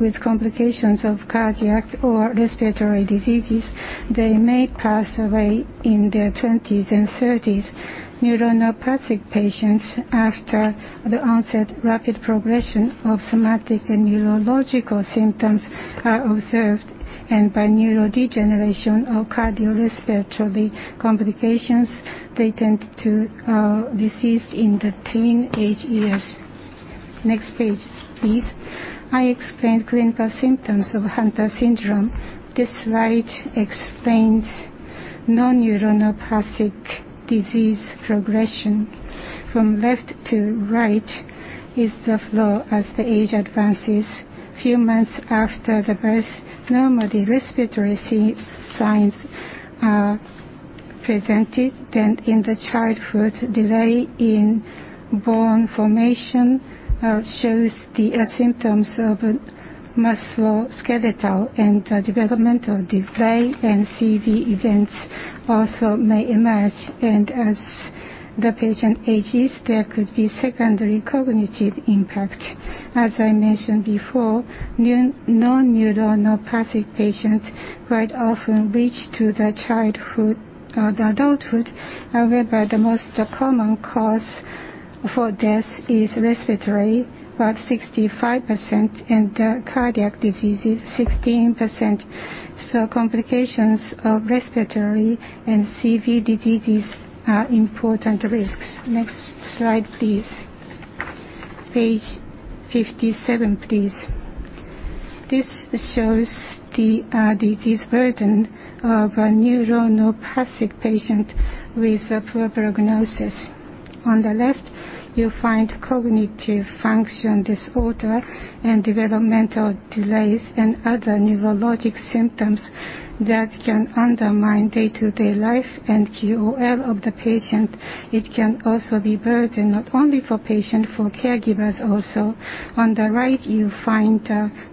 with complications of cardiac or respiratory diseases, they may pass away in their 20s and 30s. Neuronopathic patients, after the onset, rapid progression of somatic and neurological symptoms are observed, and by neurodegeneration or cardiorespiratory complications, they tend to be deceased in the teenage years. Next page, please. I explained clinical symptoms of Hunter syndrome. This slide explains non-neuronopathic disease progression. From left to right is the flow as the age advances. A few months after the birth, normally respiratory signs are presented, then in the childhood, delay in bone formation shows the symptoms of musculoskeletal and developmental delay, and CV events also may emerge, and as the patient ages, there could be secondary cognitive impact. As I mentioned before, non-neuronopathic patients quite often reach to the childhood or adulthood. However, the most common cause for death is respiratory, about 65%, and cardiac disease is 16%, so complications of respiratory and CV diseases are important risks. Next slide, please. Page 57, please. This shows the disease burden of a neuronopathic patient with a poor prognosis. On the left, you find cognitive function disorder and developmental delays and other neurologic symptoms that can undermine day-to-day life and QOL of the patient. It can also be burdened not only for patients, but for caregivers also. On the right, you find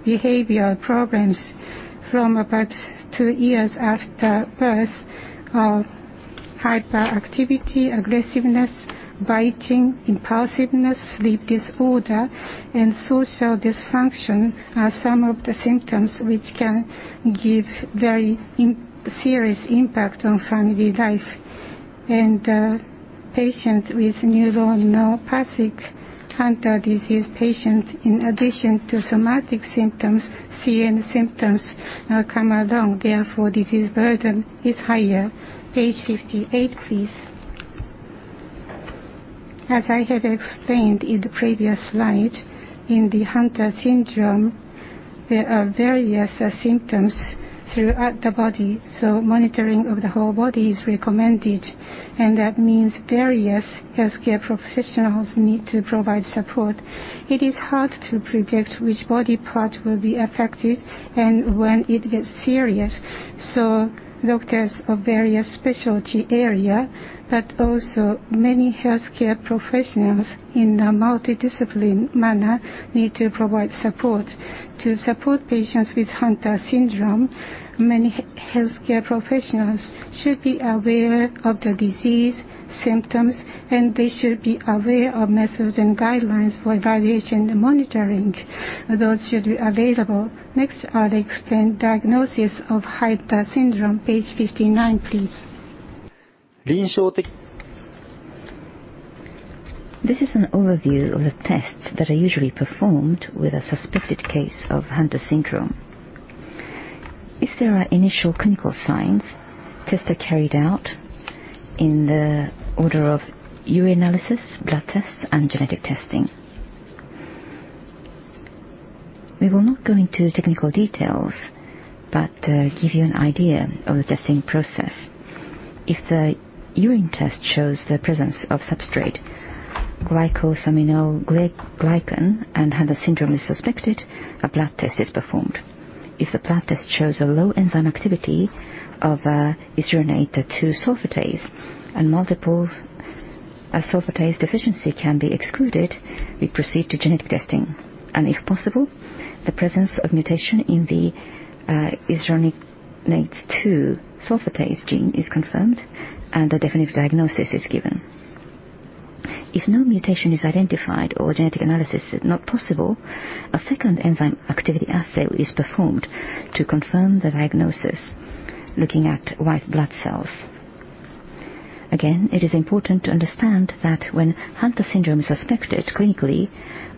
behavioral problems from about two years after birth: hyperactivity, aggressiveness, biting, impulsiveness, sleep disorder, and social dysfunction are some of the symptoms which can give very serious impact on family life, and patients with neuronopathic Hunter syndrome patients, in addition to somatic symptoms, CNS symptoms come along, therefore, disease burden is higher. Page 58, please. As I have explained in the previous slide, in the Hunter syndrome, there are various symptoms throughout the body, so monitoring of the whole body is recommended, and that means various healthcare professionals need to provide support. It is hard to predict which body part will be affected and when it gets serious, so doctors of various specialty areas, but also many healthcare professionals in a multidisciplinary manner need to provide support. To support patients with Hunter syndrome, many healthcare professionals should be aware of the disease symptoms, and they should be aware of methods and guidelines for evaluation and monitoring. Those should be available. Next, I'll explain diagnosis of Hunter syndrome. Page 59, please. 臨床的. This is an overview of the tests that are usually performed with a suspected case of Hunter syndrome. If there are initial clinical signs, tests are carried out in the order of urinalysis, blood tests, and genetic testing. We will not go into technical details but give you an idea of the testing process. If the urine test shows the presence of substrate, glycosaminoglycan, and Hunter syndrome is suspected, a blood test is performed. If the blood test shows a low enzyme activity of iduronate-2-sulfatase and multiple sulfatase deficiency can be excluded, we proceed to genetic testing. If possible, the presence of mutation in the iduronate-2-sulfatase gene is confirmed, and a definitive diagnosis is given. If no mutation is identified or genetic analysis is not possible, a second enzyme activity assay is performed to confirm the diagnosis, looking at white blood cells. Again, it is important to understand that when Hunter syndrome is suspected clinically,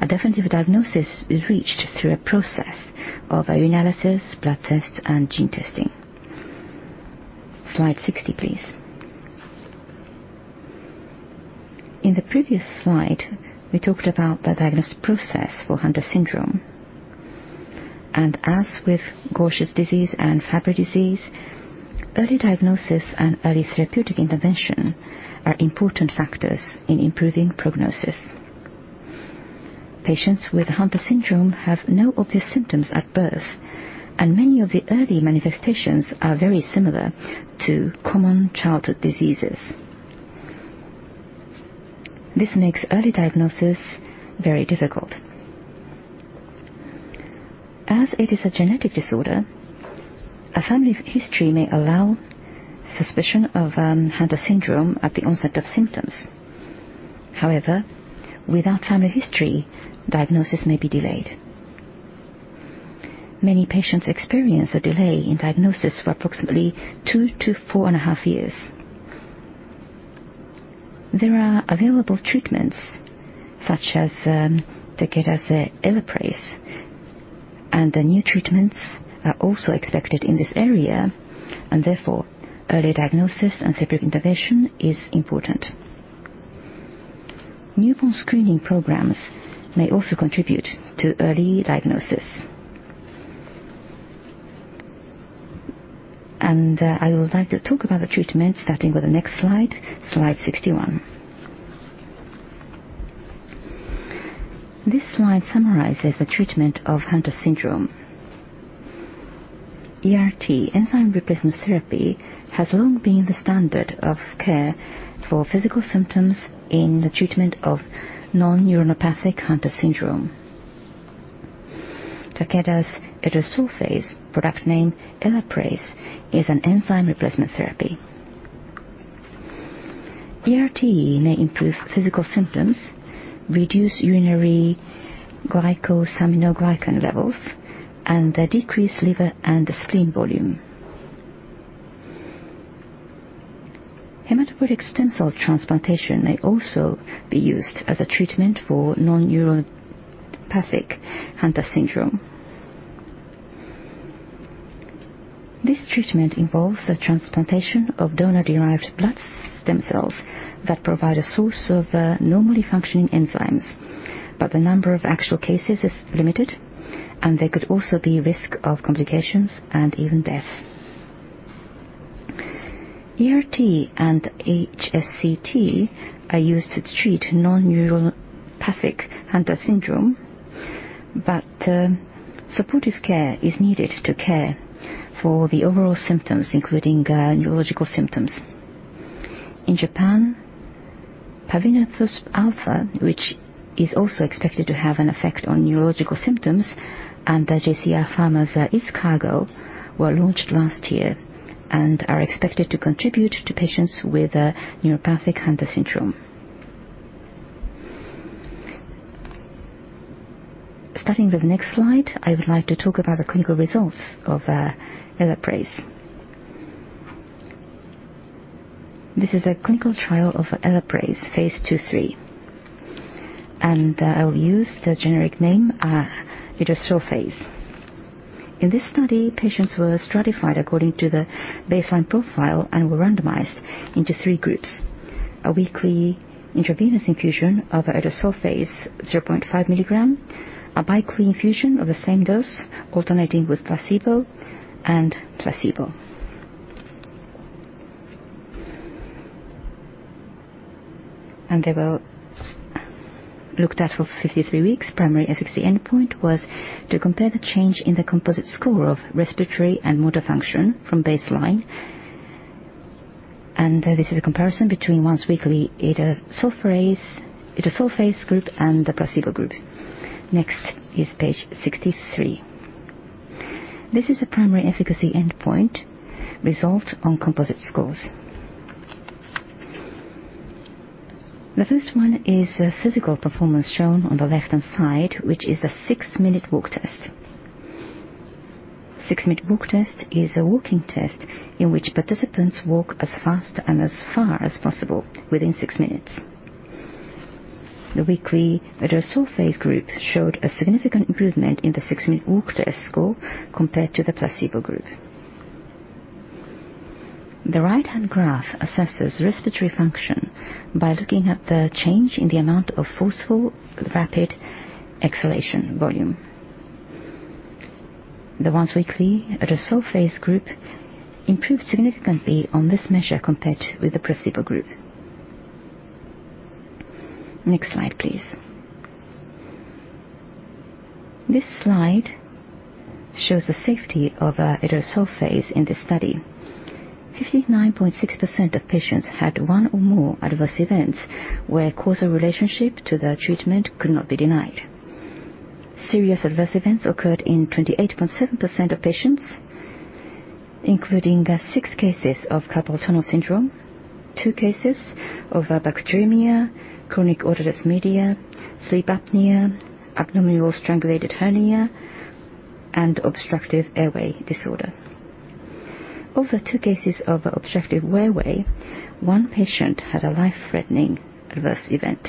a definitive diagnosis is reached through a process of urinalysis, blood tests, and gene testing. Slide 60, please. In the previous slide, we talked about the diagnosis process for Hunter syndrome. As with Gaucher disease and Fabry disease, early diagnosis and early therapeutic intervention are important factors in improving prognosis. Patients with Hunter syndrome have no obvious symptoms at birth, and many of the early manifestations are very similar to common childhood diseases. This makes early diagnosis very difficult. As it is a genetic disorder, a family history may allow suspicion of Hunter syndrome at the onset of symptoms. However, without family history, diagnosis may be delayed. Many patients experience a delay in diagnosis for approximately two to four and a half years. There are available treatments such as Takeda Elaprase, and the new treatments are also expected in this area, and therefore, early diagnosis and therapeutic intervention is important. Newborn screening programs may also contribute to early diagnosis. And I would like to talk about the treatment starting with the next slide, slide 61. This slide summarizes the treatment of Hunter syndrome. ERT, enzyme replacement therapy, has long been the standard of care for physical symptoms in the treatment of non-neuronopathic Hunter syndrome. Takeda's idursulfase, product name Elaprase, is an enzyme replacement therapy. ERT may improve physical symptoms, reduce urinary glycosaminoglycan levels, and decrease liver and spleen volume. Hematopoietic stem cell transplantation may also be used as a treatment for non-neuronopathic Hunter syndrome. This treatment involves the transplantation of donor-derived blood stem cells that provide a source of normally functioning enzymes, but the number of actual cases is limited, and there could also be risk of complications and even death. ERT and HSCT are used to treat non-neuronopathic Hunter syndrome, but supportive care is needed to care for the overall symptoms, including neurological symptoms. In Japan, pabinafusp alfa, which is also expected to have an effect on neurological symptoms, and JCR Pharma's Izcargo were launched last year and are expected to contribute to patients with non-neuropathic Hunter syndrome. Starting with the next slide, I would like to talk about the clinical results of Elaprase. This is a clinical trial of Elaprase, phase 2-3, and I will use the generic name idursulfase. In this study, patients were stratified according to the baseline profile and were randomized into three groups: a weekly intravenous infusion of idursulfase 0.5 milligram, a biweekly infusion of the same dose, alternating with placebo and placebo. They were looked at for 53 weeks. Primary efficacy endpoint was to compare the change in the composite score of respiratory and motor function from baseline, and this is a comparison between once-weekly idursulfase group and the placebo group. Next is page 63. This is a primary efficacy endpoint result on composite scores. The first one is physical performance shown on the left-hand side, which is the six-minute walk test. Six-minute walk test is a walking test in which participants walk as fast and as far as possible within six minutes. The weekly idursulfase group showed a significant improvement in the six-minute walk test score compared to the placebo group. The right-hand graph assesses respiratory function by looking at the change in the amount of forceful rapid exhalation volume. The once-weekly idursulfase group improved significantly on this measure compared with the placebo group. Next slide, please. This slide shows the safety of idursulfase in this study. 59.6% of patients had one or more adverse events where causal relationship to the treatment could not be denied. Serious adverse events occurred in 28.7% of patients, including six cases of carpal tunnel syndrome, two cases of bacteremia, chronic otitis media, sleep apnea, abdominal strangulated hernia, and obstructive airway disorder. Over two cases of obstructive airway, one patient had a life-threatening adverse event.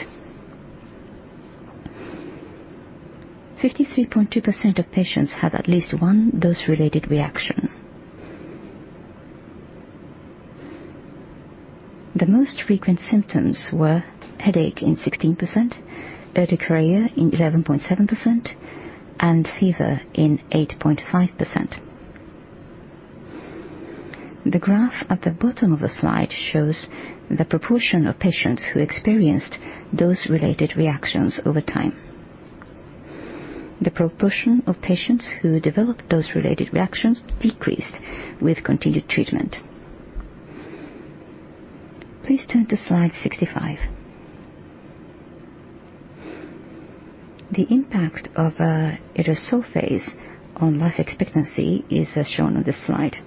53.2% of patients had at least one dose-related reaction. The most frequent symptoms were headache in 16%, urticaria in 11.7%, and fever in 8.5%. The graph at the bottom of the slide shows the proportion of patients who experienced dose-related reactions over time. The proportion of patients who developed dose-related reactions decreased with continued treatment. Please turn to slide 65. The impact of idursulfase on life expectancy is shown on this slide.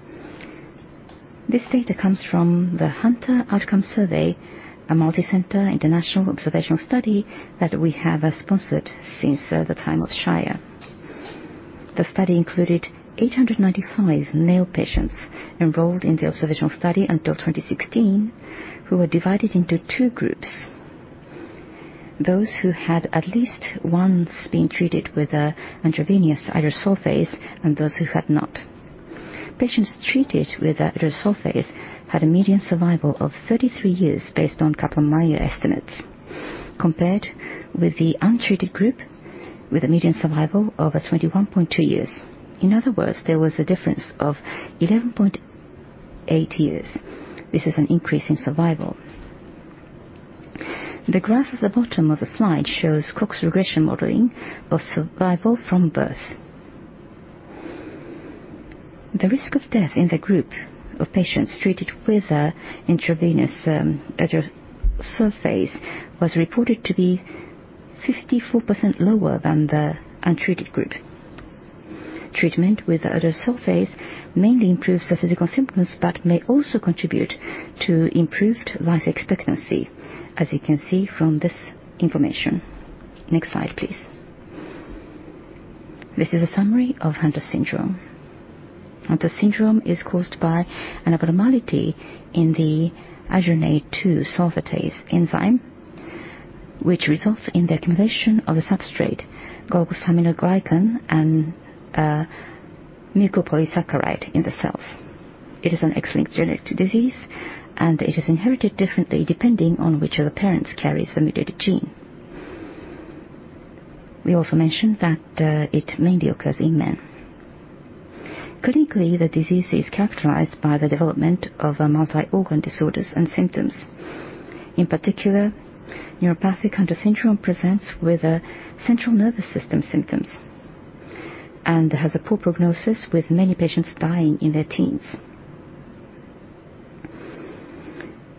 This data comes from the Hunter Outcome Survey, a multicenter international observational study that we have sponsored since the time of Shire. The study included 895 male patients enrolled in the observational study until 2016 who were divided into two groups: those who had at least once been treated with intravenous idursulfase and those who had not. Patients treated with idursulfase had a median survival of 33 years based on Kaplan-Meier estimates, compared with the untreated group with a median survival of 21.2 years. In other words, there was a difference of 11.8 years. This is an increase in survival. The graph at the bottom of the slide shows Cox regression modeling of survival from birth. The risk of death in the group of patients treated with intravenous idursulfase was reported to be 54% lower than the untreated group. Treatment with idursulfase mainly improves the physical symptoms but may also contribute to improved life expectancy, as you can see from this information. Next slide, please. This is a summary of Hunter syndrome. Hunter syndrome is caused by an abnormality in the iduronate-2-sulfatase enzyme, which results in the accumulation of a substrate, glycosaminoglycan and mucopolysaccharide in the cells. It is an X-linked genetic disease, and it is inherited differently depending on which of the parents carries the mutated gene. We also mentioned that it mainly occurs in men. Clinically, the disease is characterized by the development of multi-organ disorders and symptoms. In particular, non-neuropathic Hunter syndrome presents with central nervous system symptoms and has a poor prognosis, with many patients dying in their teens.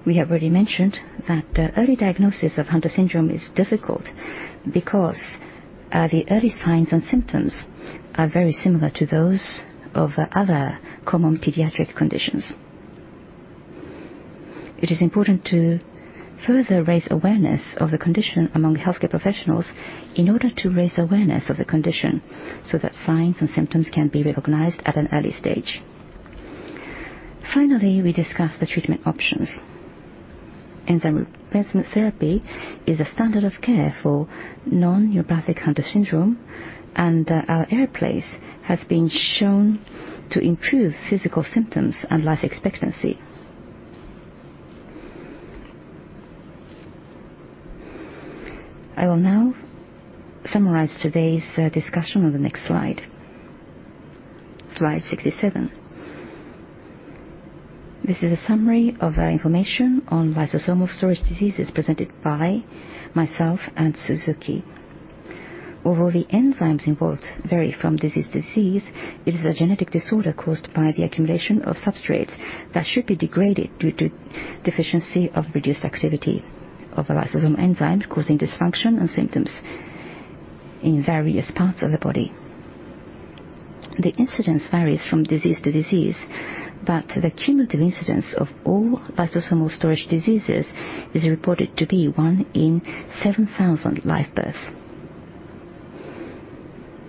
We have already mentioned that early diagnosis of Hunter syndrome is difficult because the early signs and symptoms are very similar to those of other common pediatric conditions. It is important to further raise awareness of the condition among healthcare professionals in order to raise awareness of the condition so that signs and symptoms can be recognized at an early stage. Finally, we discuss the treatment options. Enzyme replacement therapy is a standard of care for non-neuropathic Hunter syndrome, and Elaprase has been shown to improve physical symptoms and life expectancy. I will now summarize today's discussion on the next slide, slide 67. This is a summary of information on lysosomal storage diseases presented by myself and Suzuki. Although the enzymes involved vary from disease to disease, it is a genetic disorder caused by the accumulation of substrates that should be degraded due to deficiency of reduced activity of the lysosomal enzymes, causing dysfunction and symptoms in various parts of the body. The incidence varies from disease to disease, but the cumulative incidence of all lysosomal storage diseases is reported to be one in 7,000 live births.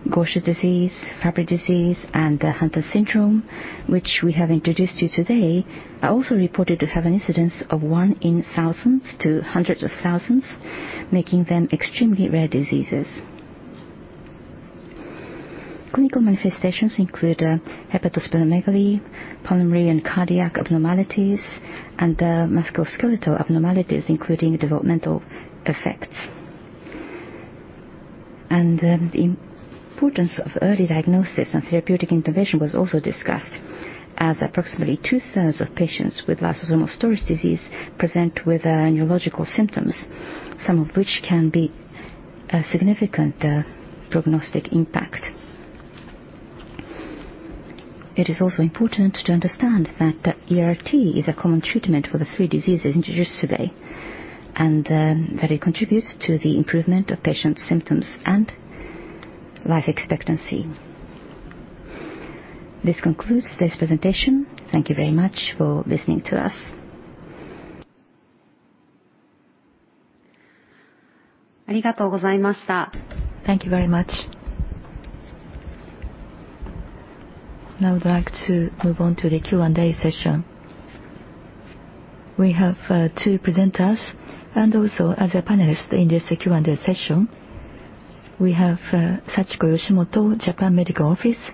Gaucher disease, Fabry disease, and Hunter syndrome, which we have introduced to you today, are also reported to have an incidence of one in thousands to hundreds of thousands, making them extremely rare diseases. Clinical manifestations include hepatosplenomegaly, pulmonary and cardiac abnormalities, and musculoskeletal abnormalities, including developmental effects. And the importance of early diagnosis and therapeutic intervention was also discussed, as approximately two-thirds of patients with lysosomal storage disease present with neurological symptoms, some of which can be a significant prognostic impact. It is also important to understand that ERT is a common treatment for the three diseases introduced today and that it contributes to the improvement of patients' symptoms and life expectancy. This concludes today's presentation. Thank you very much for listening to us. ありがとうございました。Thank you very much. Now I'd like to move on to the Q&A session. We have two presenters and also other panelists in this Q&A session. We have Sachiko Yoshimoto, Japan Medical Office,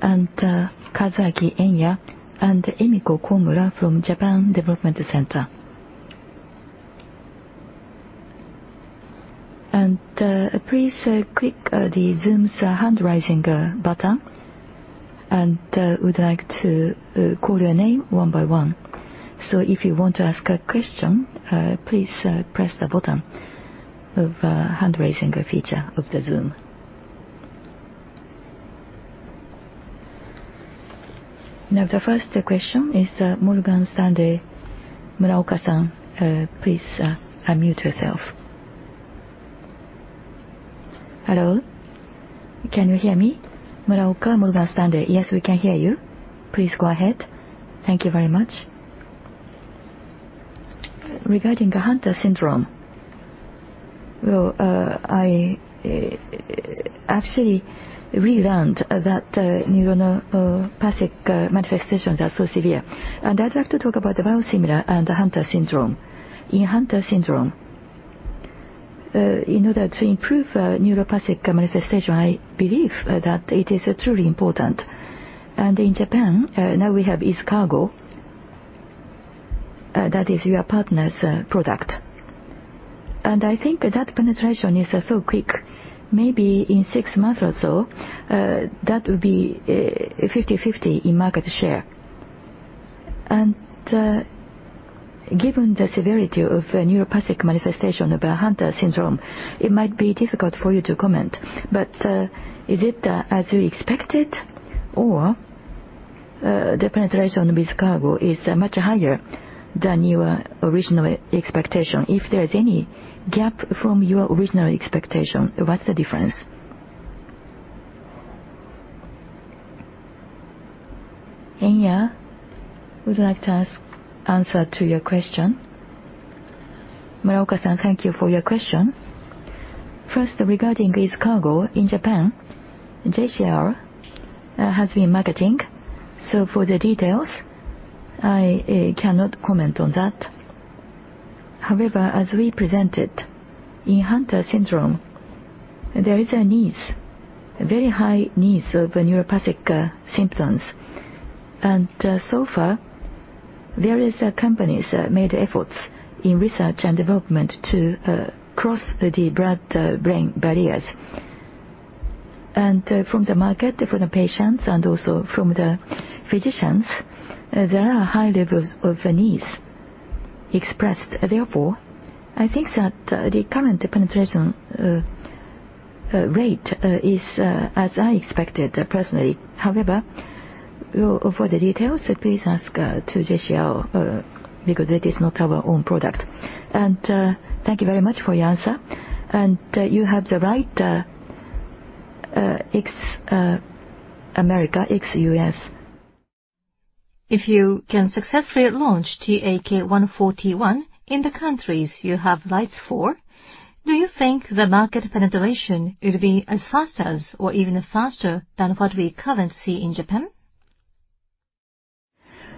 and Kazuki Enya, and Emiko Komura from Japan Development Center. And please click the Zoom's hand-raising button, and we'd like to call your name one by one. If you want to ask a question, please press the button of the hand-raising feature of the Zoom. Now, the first question is Morgan Stanley, Muraoka-san. Please unmute yourself. Hello. Can you hear me? Muraoka, Morgan Stanley. Yes, we can hear you. Please go ahead. Thank you very much. Regarding Hunter syndrome, well, I actually really learned that neuropathic manifestations are so severe, and I'd like to talk about the biosimilar and Hunter syndrome. In Hunter syndrome, in order to improve neuropathic manifestation, I believe that it is truly important. And in Japan, now we have Izcargo, that is your partner's product. And I think that penetration is so quick. Maybe in six months or so, that would be 50/50 in market share. Given the severity of neuropathic manifestation of Hunter syndrome, it might be difficult for you to comment, but is it as you expected, or the penetration with Izcargo is much higher than your original expectation? If there is any gap from your original expectation, what's the difference? Enya, would you like to answer to your question? Muraoka-san, thank you for your question. First, regarding Izcargo, in Japan, JCR has been marketing, so for the details, I cannot comment on that. However, as we presented, in Hunter syndrome, there is a need, a very high need of neuropathic symptoms, and so far, various companies made efforts in research and development to cross the blood-brain barriers. And from the market, from the patients, and also from the physicians, there are high levels of needs expressed. Therefore, I think that the current penetration rate is as I expected personally. However, for the details, please ask to JCR because it is not our own product. And thank you very much for your answer, and you have the right, ex-America, ex-US. If you can successfully launch TAK-141 in the countries you have rights for, do you think the market penetration will be as fast as or even faster than what we currently see in Japan?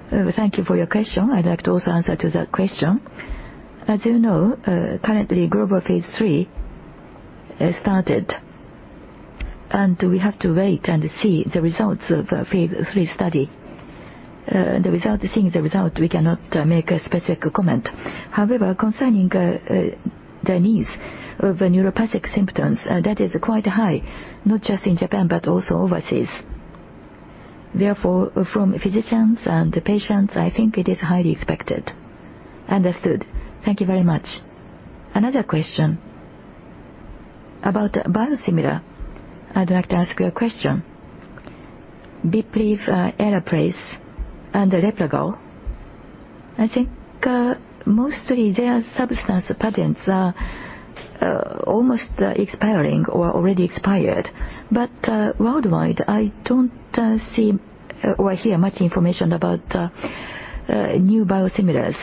Thank you for your question. I'd like to also answer to that question. As you know, currently, global phase III has started, and we have to wait and see the results of the phase III study. Without seeing the result, we cannot make a specific comment. However, concerning the needs of neuronopathic symptoms, that is quite high, not just in Japan but also overseas. Therefore, from physicians and patients, I think it is highly expected. Understood. Thank you very much. Another question about biosimilar. I'd like to ask you a question. Fabrazyme, Elaprase, and Replagal, I think mostly their substance patents are almost expiring or already expired, but worldwide, I don't see or hear much information about new biosimilars.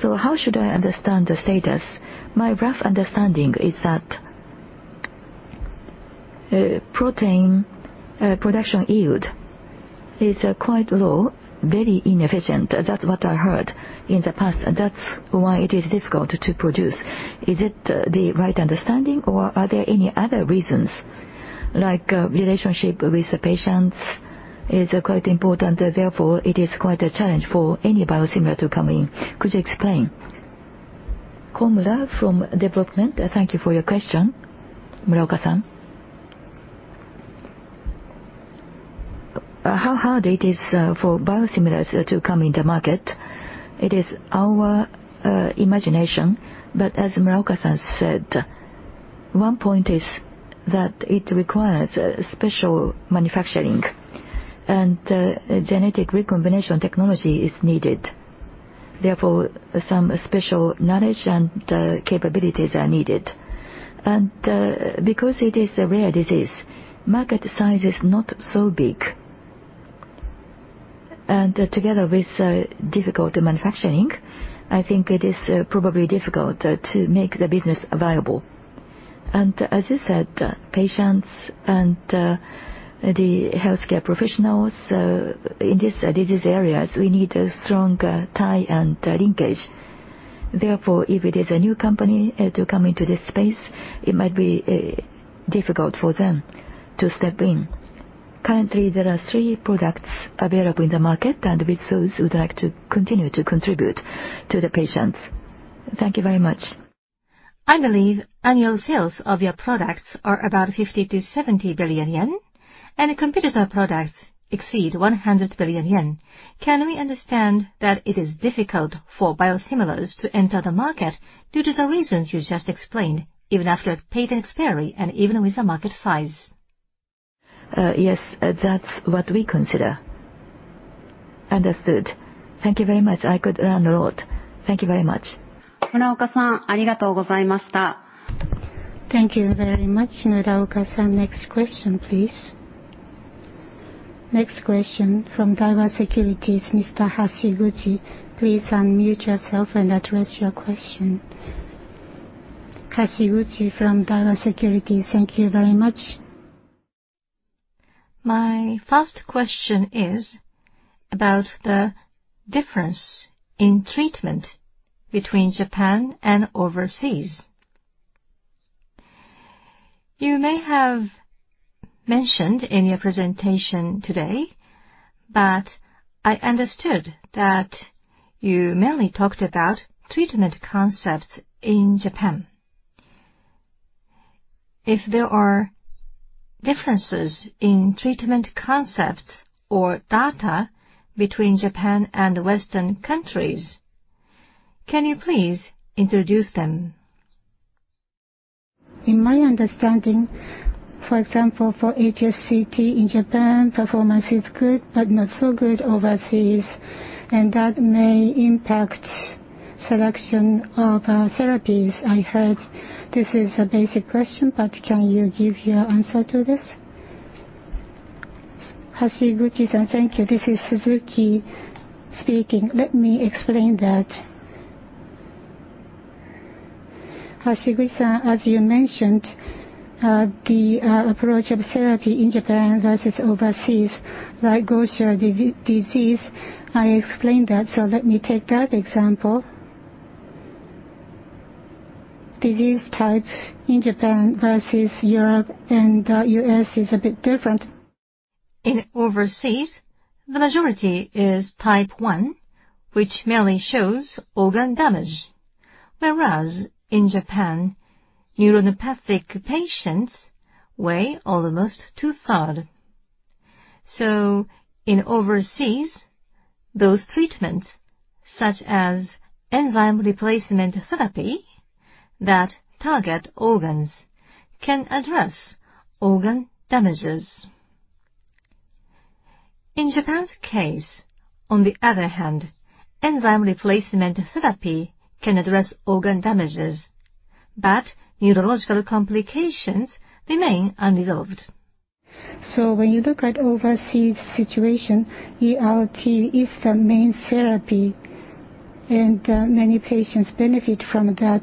So how should I understand the status? My rough understanding is that protein production yield is quite low, very inefficient. That's what I heard in the past.` That's why it is difficult to produce. Is it the right understanding, or are there any other reasons, like relationship with the patients is quite important? Therefore, it is quite a challenge for any biosimilar to come in. Could you explain? Komura from development, thank you for your question, Muraoka-san. How hard it is for biosimilars to come into market? It is our imagination, but as Muraoka-san said, one point is that it requires special manufacturing, and genetic recombination technology is needed. Therefore, some special knowledge and capabilities are needed. And because it is a rare disease, market size is not so big. And together with difficult manufacturing, I think it is probably difficult to make the business viable. And as you said, patients and the healthcare professionals, in these disease areas, we need a strong tie and linkage. Therefore, if it is a new company to come into this space, it might be difficult for them to step in. Currently, there are three products available in the market, and with those, we'd like to continue to contribute to the patients. Thank you very much. I believe annual sales of your products are about 50 billion-70 billion yen, and competitor products exceed 100 billion yen. Can we understand that it is difficult for biosimilars to enter the market due to the reasons you just explained, even after patent expiry and even with the market size? Yes, that's what we consider. Understood. Thank you very much. I could learn a lot. Thank you very much. 村岡さん、ありがとうございました。Thank you very much, Muraoka-san. Next question, please. Next question from Daiwa Securities, Mr. Hashiguchi. Please unmute yourself and address your question. Hashiguchi from Daiwa Securities, thank you very much. My first question is about the difference in treatment between Japan and overseas. You may have mentioned in your presentation today, but I understood that you mainly talked about treatment concepts in Japan. If there are differences in treatment concepts or data between Japan and Western countries, can you please introduce them? In my understanding, for example, for HSCT in Japan, performance is good but not so good overseas, and that may impact selection of therapies. I heard this is a basic question, but can you give your answer to this? Hashiguchi-san, thank you. This is Suzuki speaking. Let me explain that. Hashiguchi-san, as you mentioned, the approach of therapy in Japan versus overseas, like Gaucher disease, I explained that, so let me take that example. Disease type in Japan versus Europe and U.S. is a bit different. In overseas, the majority is type 1, which mainly shows organ damage, whereas in Japan, neuropathic patients weigh almost two-thirds. So in overseas, those treatments, such as enzyme replacement therapy that target organs, can address organ damages. In Japan's case, on the other hand, enzyme replacement therapy can address organ damages, but neurological complications remain unresolved. When you look at the overseas situation, ERT is the main therapy, and many patients benefit from that.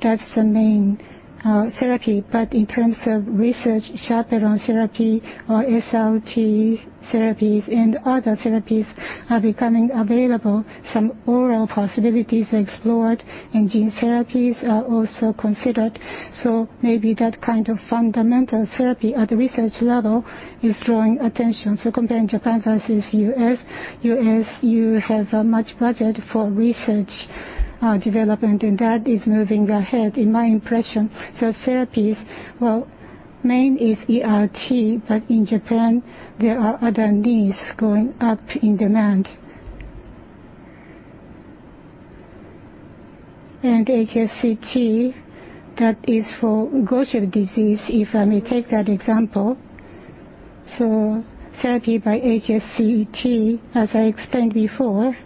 That's the main therapy. In terms of research, chaperone therapy or SRT therapies and other therapies are becoming available. Some oral possibilities are explored, and gene therapies are also considered. That kind of fundamental therapy at the research level is drawing attention. Comparing Japan versus U.S., U.S., you have a much budget for research development, and that is moving ahead, in my impression. Therapies, well, main is ERT, but in Japan, there are other needs going up in demand. HSCT, that is for Gaucher disease, if I may take that example. Therapy by HSCT, as I explained before,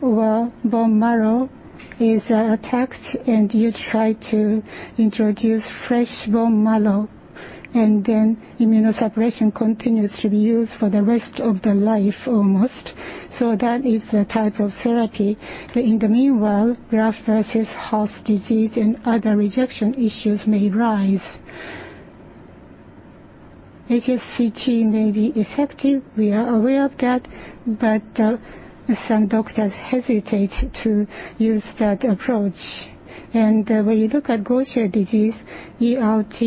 well, bone marrow is attacked, and you try to introduce fresh bone marrow, and then immunosuppression continues to be used for the rest of the life almost. That is the type of therapy. In the meanwhile, graft versus host disease and other rejection issues may arise. HSCT may be effective, we are aware of that, but some doctors hesitate to use that approach. When you look at Gaucher disease, ERT,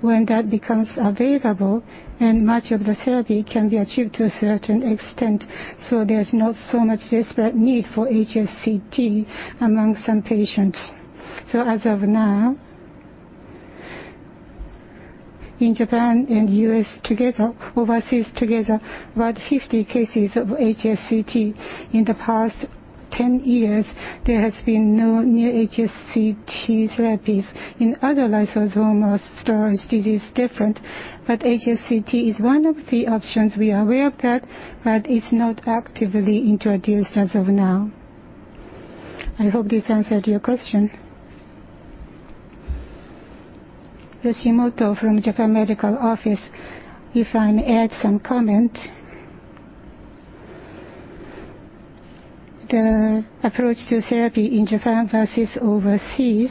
when that becomes available, and much of the therapy can be achieved to a certain extent, so there's not so much desperate need for HSCT among some patients. As of now, in Japan and U.S. together, overseas together, about 50 cases of HSCT. In the past 10 years, there has been no new HSCT therapies. In other lysosomal storage disease, different, but HSCT is one of the options we are aware of that, but it's not actively introduced as of now. I hope this answered your question. Yoshimoto from Japan Medical Office, if I may add some comment. The approach to therapy in Japan versus overseas,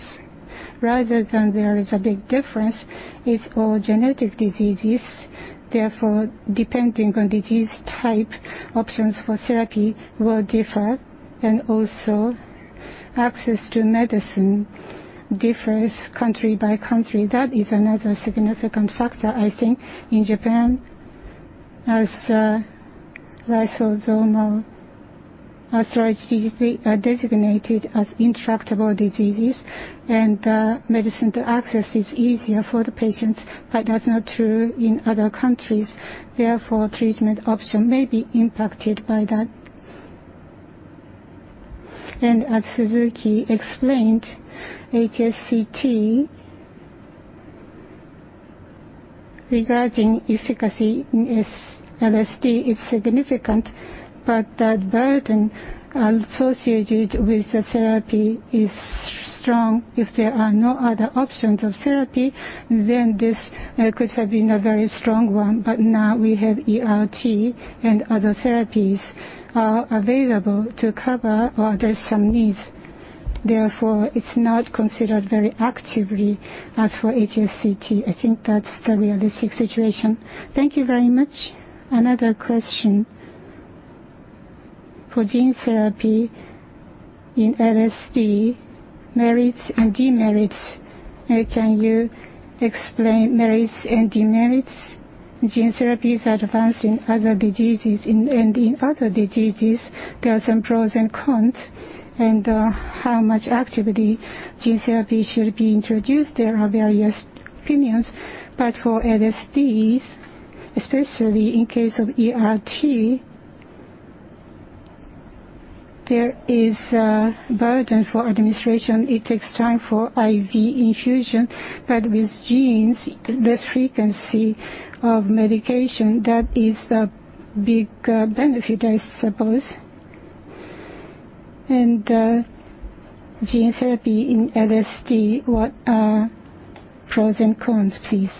rather than there is a big difference, is all genetic diseases. Therefore, depending on disease type, options for therapy will differ, and also access to medicine differs country by country. That is another significant factor, I think, in Japan, as lysosomal storage diseases are designated as intractable diseases, and access to medicine is easier for the patients, but that's not true in other countries. Therefore, treatment options may be impacted by that. As Suzuki explained, HSCT regarding efficacy in LSD is significant, but that burden associated with the therapy is strong. If there are no other options of therapy, then this could have been a very strong one, but now we have ERT and other therapies available to cover or address some needs. Therefore, it's not considered very actively as for HSCT. I think that's the realistic situation. Thank you very much. Another question. For gene therapy in LSD, merits and demerits, can you explain merits and demerits? Gene therapies advance in other diseases, and in other diseases, there are some pros and cons, and how much actively gene therapy should be introduced. There are various opinions, but for LSDs, especially in case of ERT, there is a burden for administration. It takes time for IV infusion, but with genes, less frequency of medication, that is a big benefit, I suppose. And gene therapy in LSD, what are pros and cons, please?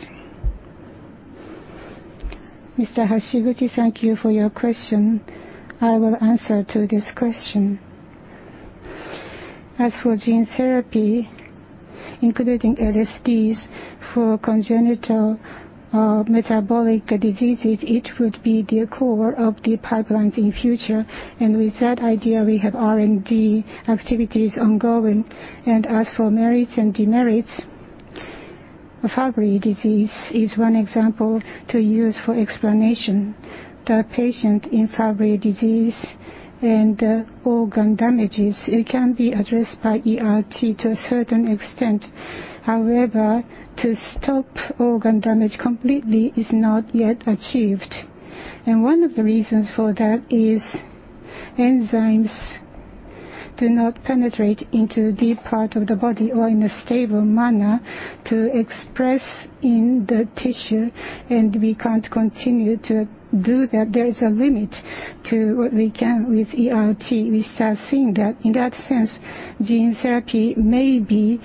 Mr. Hashiguchi, thank you for your question. I will answer to this question. As for gene therapy, including LSDs for congenital metabolic diseases, it would be the core of the pipeline in future, and with that idea, we have R&D activities ongoing, and as for merits and demerits, Fabry disease is one example to use for explanation. The patient in Fabry disease and organ damages, it can be addressed by ERT to a certain extent. However, to stop organ damage completely is not yet achieved, and one of the reasons for that is enzymes do not penetrate into the deep part of the body or in a stable manner to express in the tissue, and we can't continue to do that. There is a limit to what we can with ERT. We start seeing that. In that sense, gene therapy may be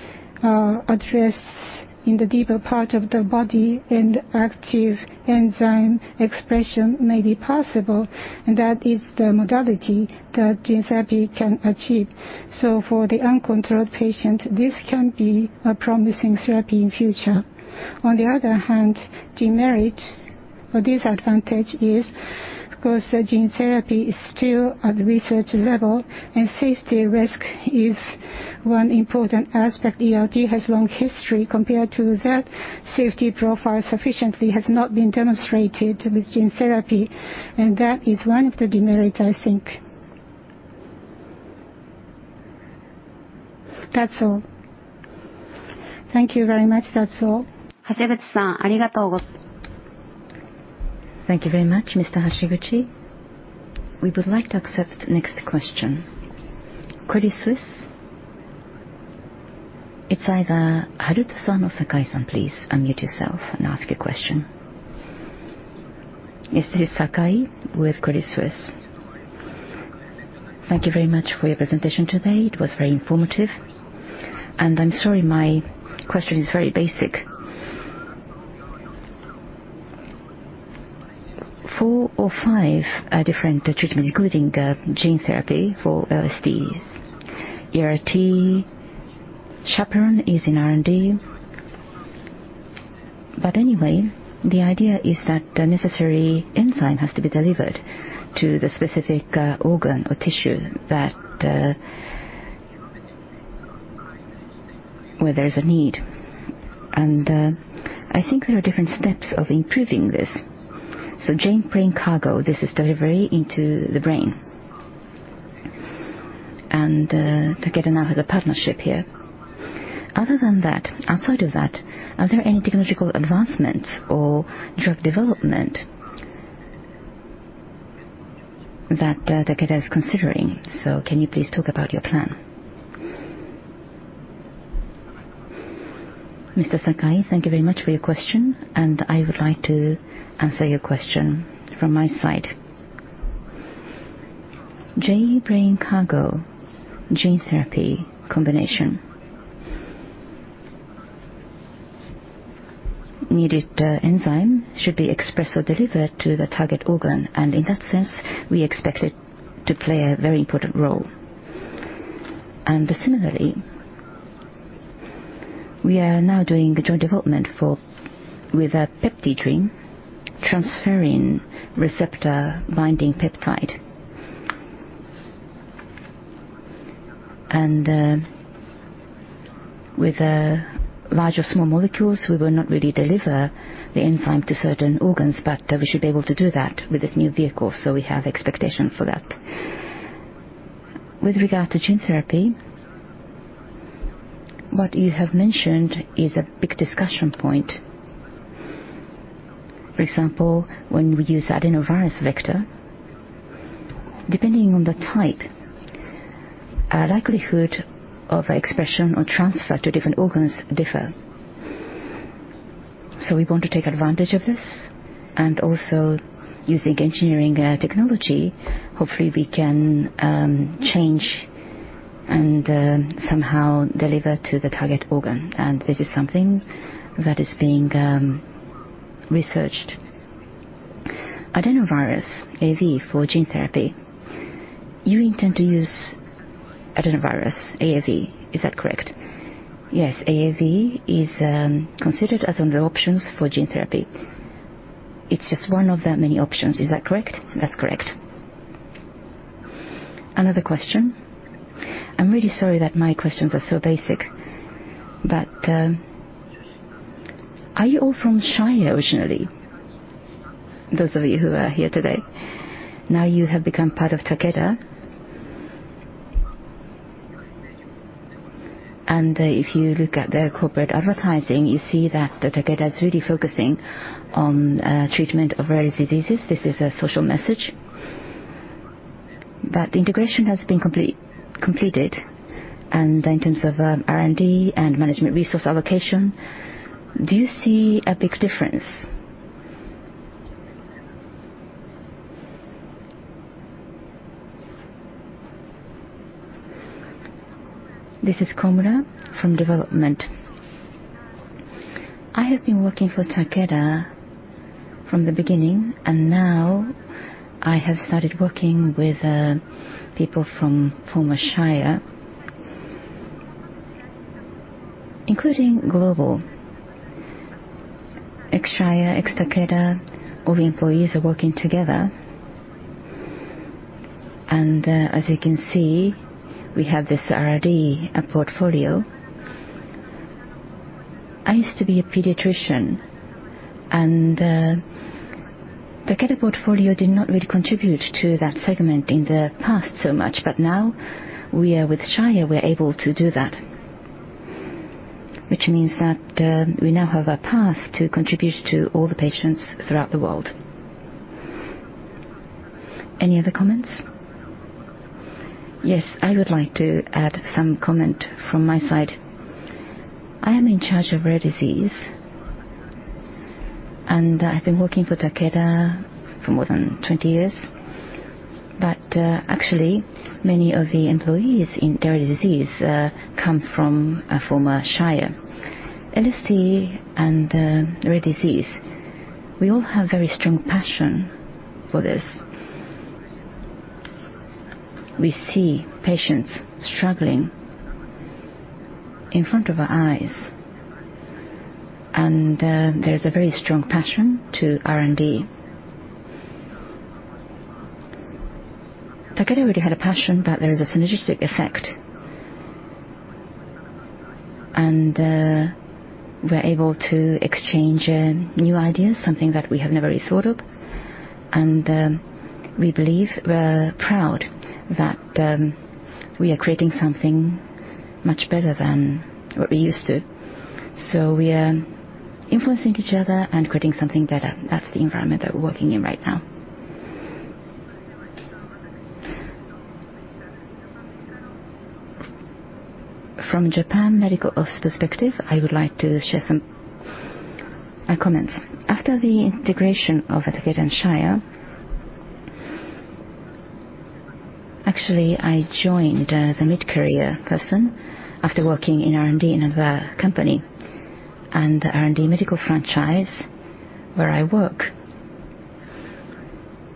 addressed in the deeper part of the body, and active enzyme expression may be possible, and that is the modality that gene therapy can achieve. So for the uncontrolled patient, this can be a promising therapy in future. On the other hand, demerit or disadvantage is because the gene therapy is still at the research level, and safety risk is one important aspect. ERT has a long history compared to that. Safety profile sufficiently has not been demonstrated with gene therapy, and that is one of the demerits, I think. That's all. Thank you very much. That's all. 橋口さん、ありがとうございました。Thank you very much, Mr. Hashiguchi. We would like to accept the next question. クリスさん、it's either Hashiguchi-san or Sakai-san, please unmute yourself and ask your question. Is this Sakai, Credit Suisse? Thank you very much for your presentation today. It was very informative, and I'm sorry, my question is very basic. Four or five different treatments, including gene therapy for LSDs. ERT, chaperone is in R&D, but anyway, the idea is that the necessary enzyme has to be delivered to the specific organ or tissue where there is a need. And I think there are different steps of improving this. So Izcargo, this is delivery into the brain, and Takeda now has a partnership here. Other than that, outside of that, are there any technological advancements or drug development that Takeda is considering? So can you please talk about your plan? Mr. Sakai, thank you very much for your question, and I would like to answer your question from my side. Izcargo gene therapy combination. Needed enzyme should be expressed or delivered to the target organ, and in that sense, we expect it to play a very important role. And similarly, we are now doing joint development with PeptideDream, transferrin receptor-binding peptide. And with large or small molecules, we will not really deliver the enzyme to certain organs, but we should be able to do that with this new vehicle, so we have expectation for that. With regard to gene therapy, what you have mentioned is a big discussion point. For example, when we use adeno-associated virus vector, depending on the type, the likelihood of expression or transfer to different organs differs. So we want to take advantage of this, and also using engineering technology, hopefully we can change and somehow deliver to the target organ, and this is something that is being researched. AAV for gene therapy, you intend to use AAV, is that correct? Yes, AAV is considered as one of the options for gene therapy. It's just one of the many options, is that correct? That's correct. Another question. I'm really sorry that my questions are so basic, but are you all from Shire originally? Those of you who are here today, now you have become part of Takeda. And if you look at their corporate advertising, you see that Takeda is really focusing on treatment of rare diseases. This is a social message. But the integration has been completed, and in terms of R&D and management resource allocation, do you see a big difference? This is Komura from development. I have been working for Takeda from the beginning, and now I have started working with people from former Shire, including Global. Shire, Takeda, all the employees are working together, and as you can see, we have this R&D portfolio. I used to be a pediatrician, and Takeda portfolio did not really contribute to that segment in the past so much, but now we are with Shire, we're able to do that, which means that we now have a path to contribute to all the patients throughout the world. Any other comments? Yes, I would like to add some comment from my side. I am in charge of rare disease, and I've been working for Takeda for more than 20 years, but actually, many of the employees in rare disease come from former Shire. LSD and rare disease, we all have very strong passion for this. We see patients struggling in front of our eyes, and there is a very strong passion to R&D. Takeda already had a passion, but there is a synergistic effect, and we're able to exchange new ideas, something that we have never really thought of, and we believe, we're proud that we are creating something much better than what we used to. So we are influencing each other and creating something better. That's the environment that we're working in right now. From Japan Medical Office perspective, I would like to share some comments. After the integration of Takeda and Shire, actually, I joined as a mid-career person after working in R&D in another company, and the R&D medical franchise where I work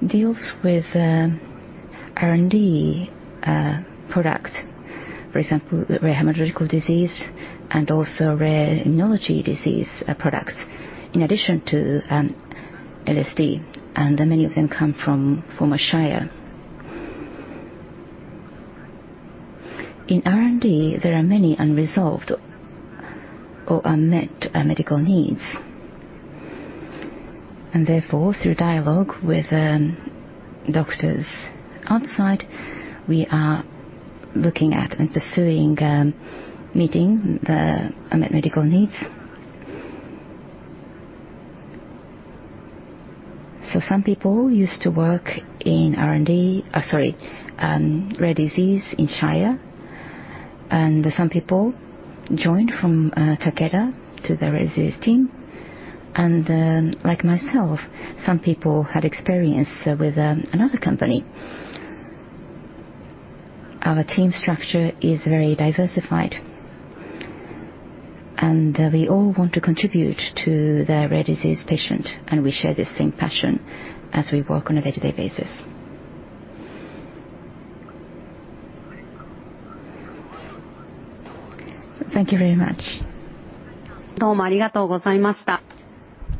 deals with R&D products, for example, rare hematologic disease and also rare immunology disease products, in addition to LSD, and many of them come from former Shire. In R&D, there are many unresolved or unmet medical needs, and therefore, through dialogue with doctors outside, we are looking at and pursuing meeting the unmet medical needs. So some people used to work in R&D, sorry, rare disease in Shire, and some people joined from Takeda to the rare disease team, and like myself, some people had experience with another company. Our team structure is very diversified, and we all want to contribute to the rare disease patient, and we share the same passion as we work on a day-to-day basis. Thank you very much. どうもありがとうございました。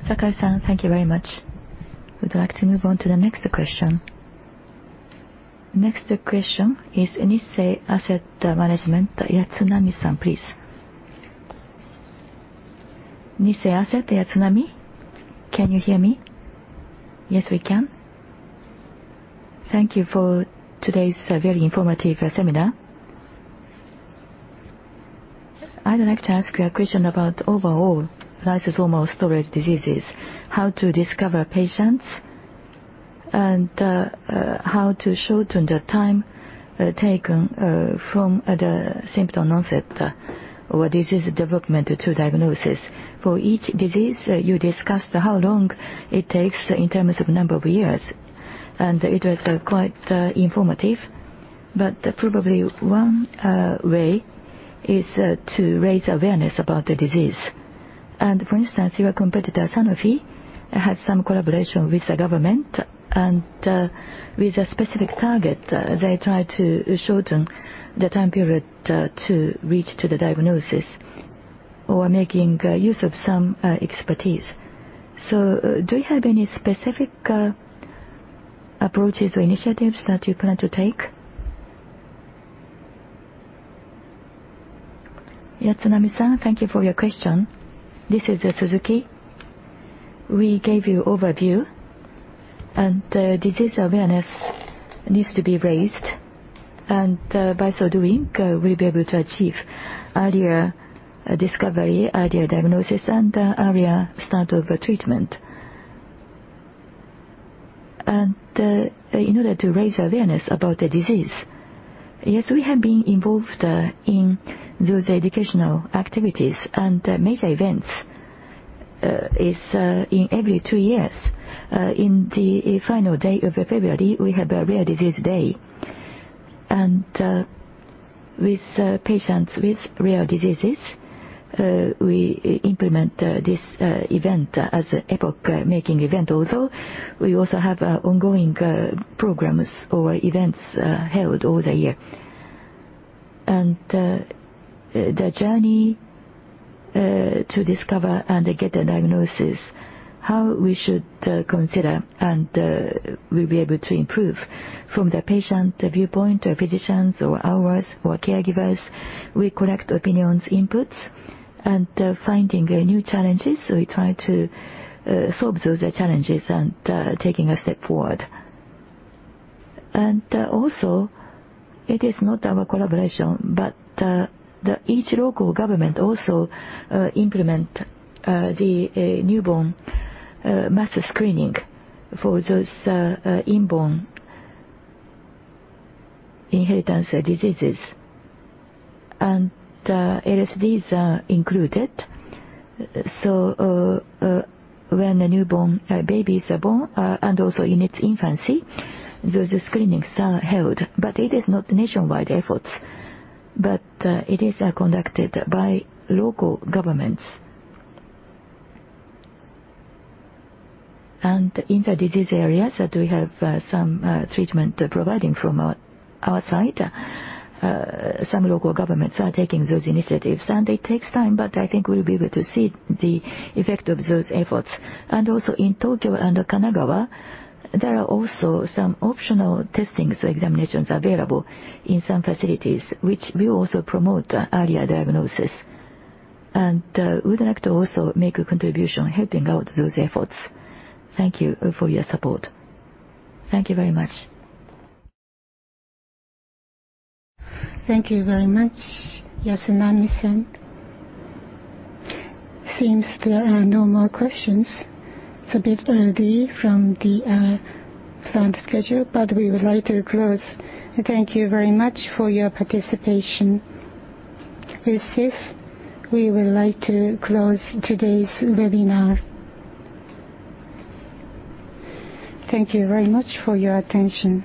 Sakai-san, thank you very much. We'd like to move on to the next question. Next question is Nissay Asset Management, Yatsunami-san, please. Nissay Asset and Yatsunami, can you hear me? Yes, we can. Thank you for today's very informative seminar. I'd like to ask you a question about overall lysosomal storage diseases. How to discover patients and how to shorten the time taken from the symptom onset or disease development to diagnosis? For each disease, you discussed how long it takes in terms of number of years, and it was quite informative, but probably one way is to raise awareness about the disease. And for instance, your competitor, Sanofi, had some collaboration with the government, and with a specific target, they tried to shorten the time period to reach the diagnosis or making use of some expertise. So do you have any specific approaches or initiatives that you plan to take? Yatsunami-san, thank you for your question. This is Suzuki. We gave you an overview, and disease awareness needs to be raised, and by so doing, we'll be able to achieve earlier discovery, earlier diagnosis, and earlier start of treatment. And in order to raise awareness about the disease, yes, we have been involved in those educational activities, and major events is in every two years. In the final day of February, we have a Rare Disease Day, and with patients with rare diseases, we implement this event as an epoch-making event, although we also have ongoing programs or events held all the year. And the journey to discover and get a diagnosis, how we should consider and we'll be able to improve from the patient viewpoint, physicians, or ours, or caregivers, we collect opinions, inputs, and finding new challenges, so we try to solve those challenges and taking a step forward. And also, it is not our collaboration, but each local government also implements the newborn mass screening for those inborn inheritance diseases, and LSDs are included. So when a newborn baby is born and also in its infancy, those screenings are held, but it is not nationwide efforts, but it is conducted by local governments. And in the disease areas, we have some treatment providing from our side. Some local governments are taking those initiatives, and it takes time, but I think we'll be able to see the effect of those efforts. And also in Tokyo and Kanagawa, there are also some optional testings or examinations available in some facilities, which will also promote earlier diagnosis. And we'd like to also make a contribution helping out those efforts. Thank you for your support. Thank you very much. Thank you very much, Yatsunami-san. Seems there are no more questions. It's a bit early from the planned schedule, but we would like to close. Thank you very much for your participation. With this, we would like to close today's webinar. Thank you very much for your attention.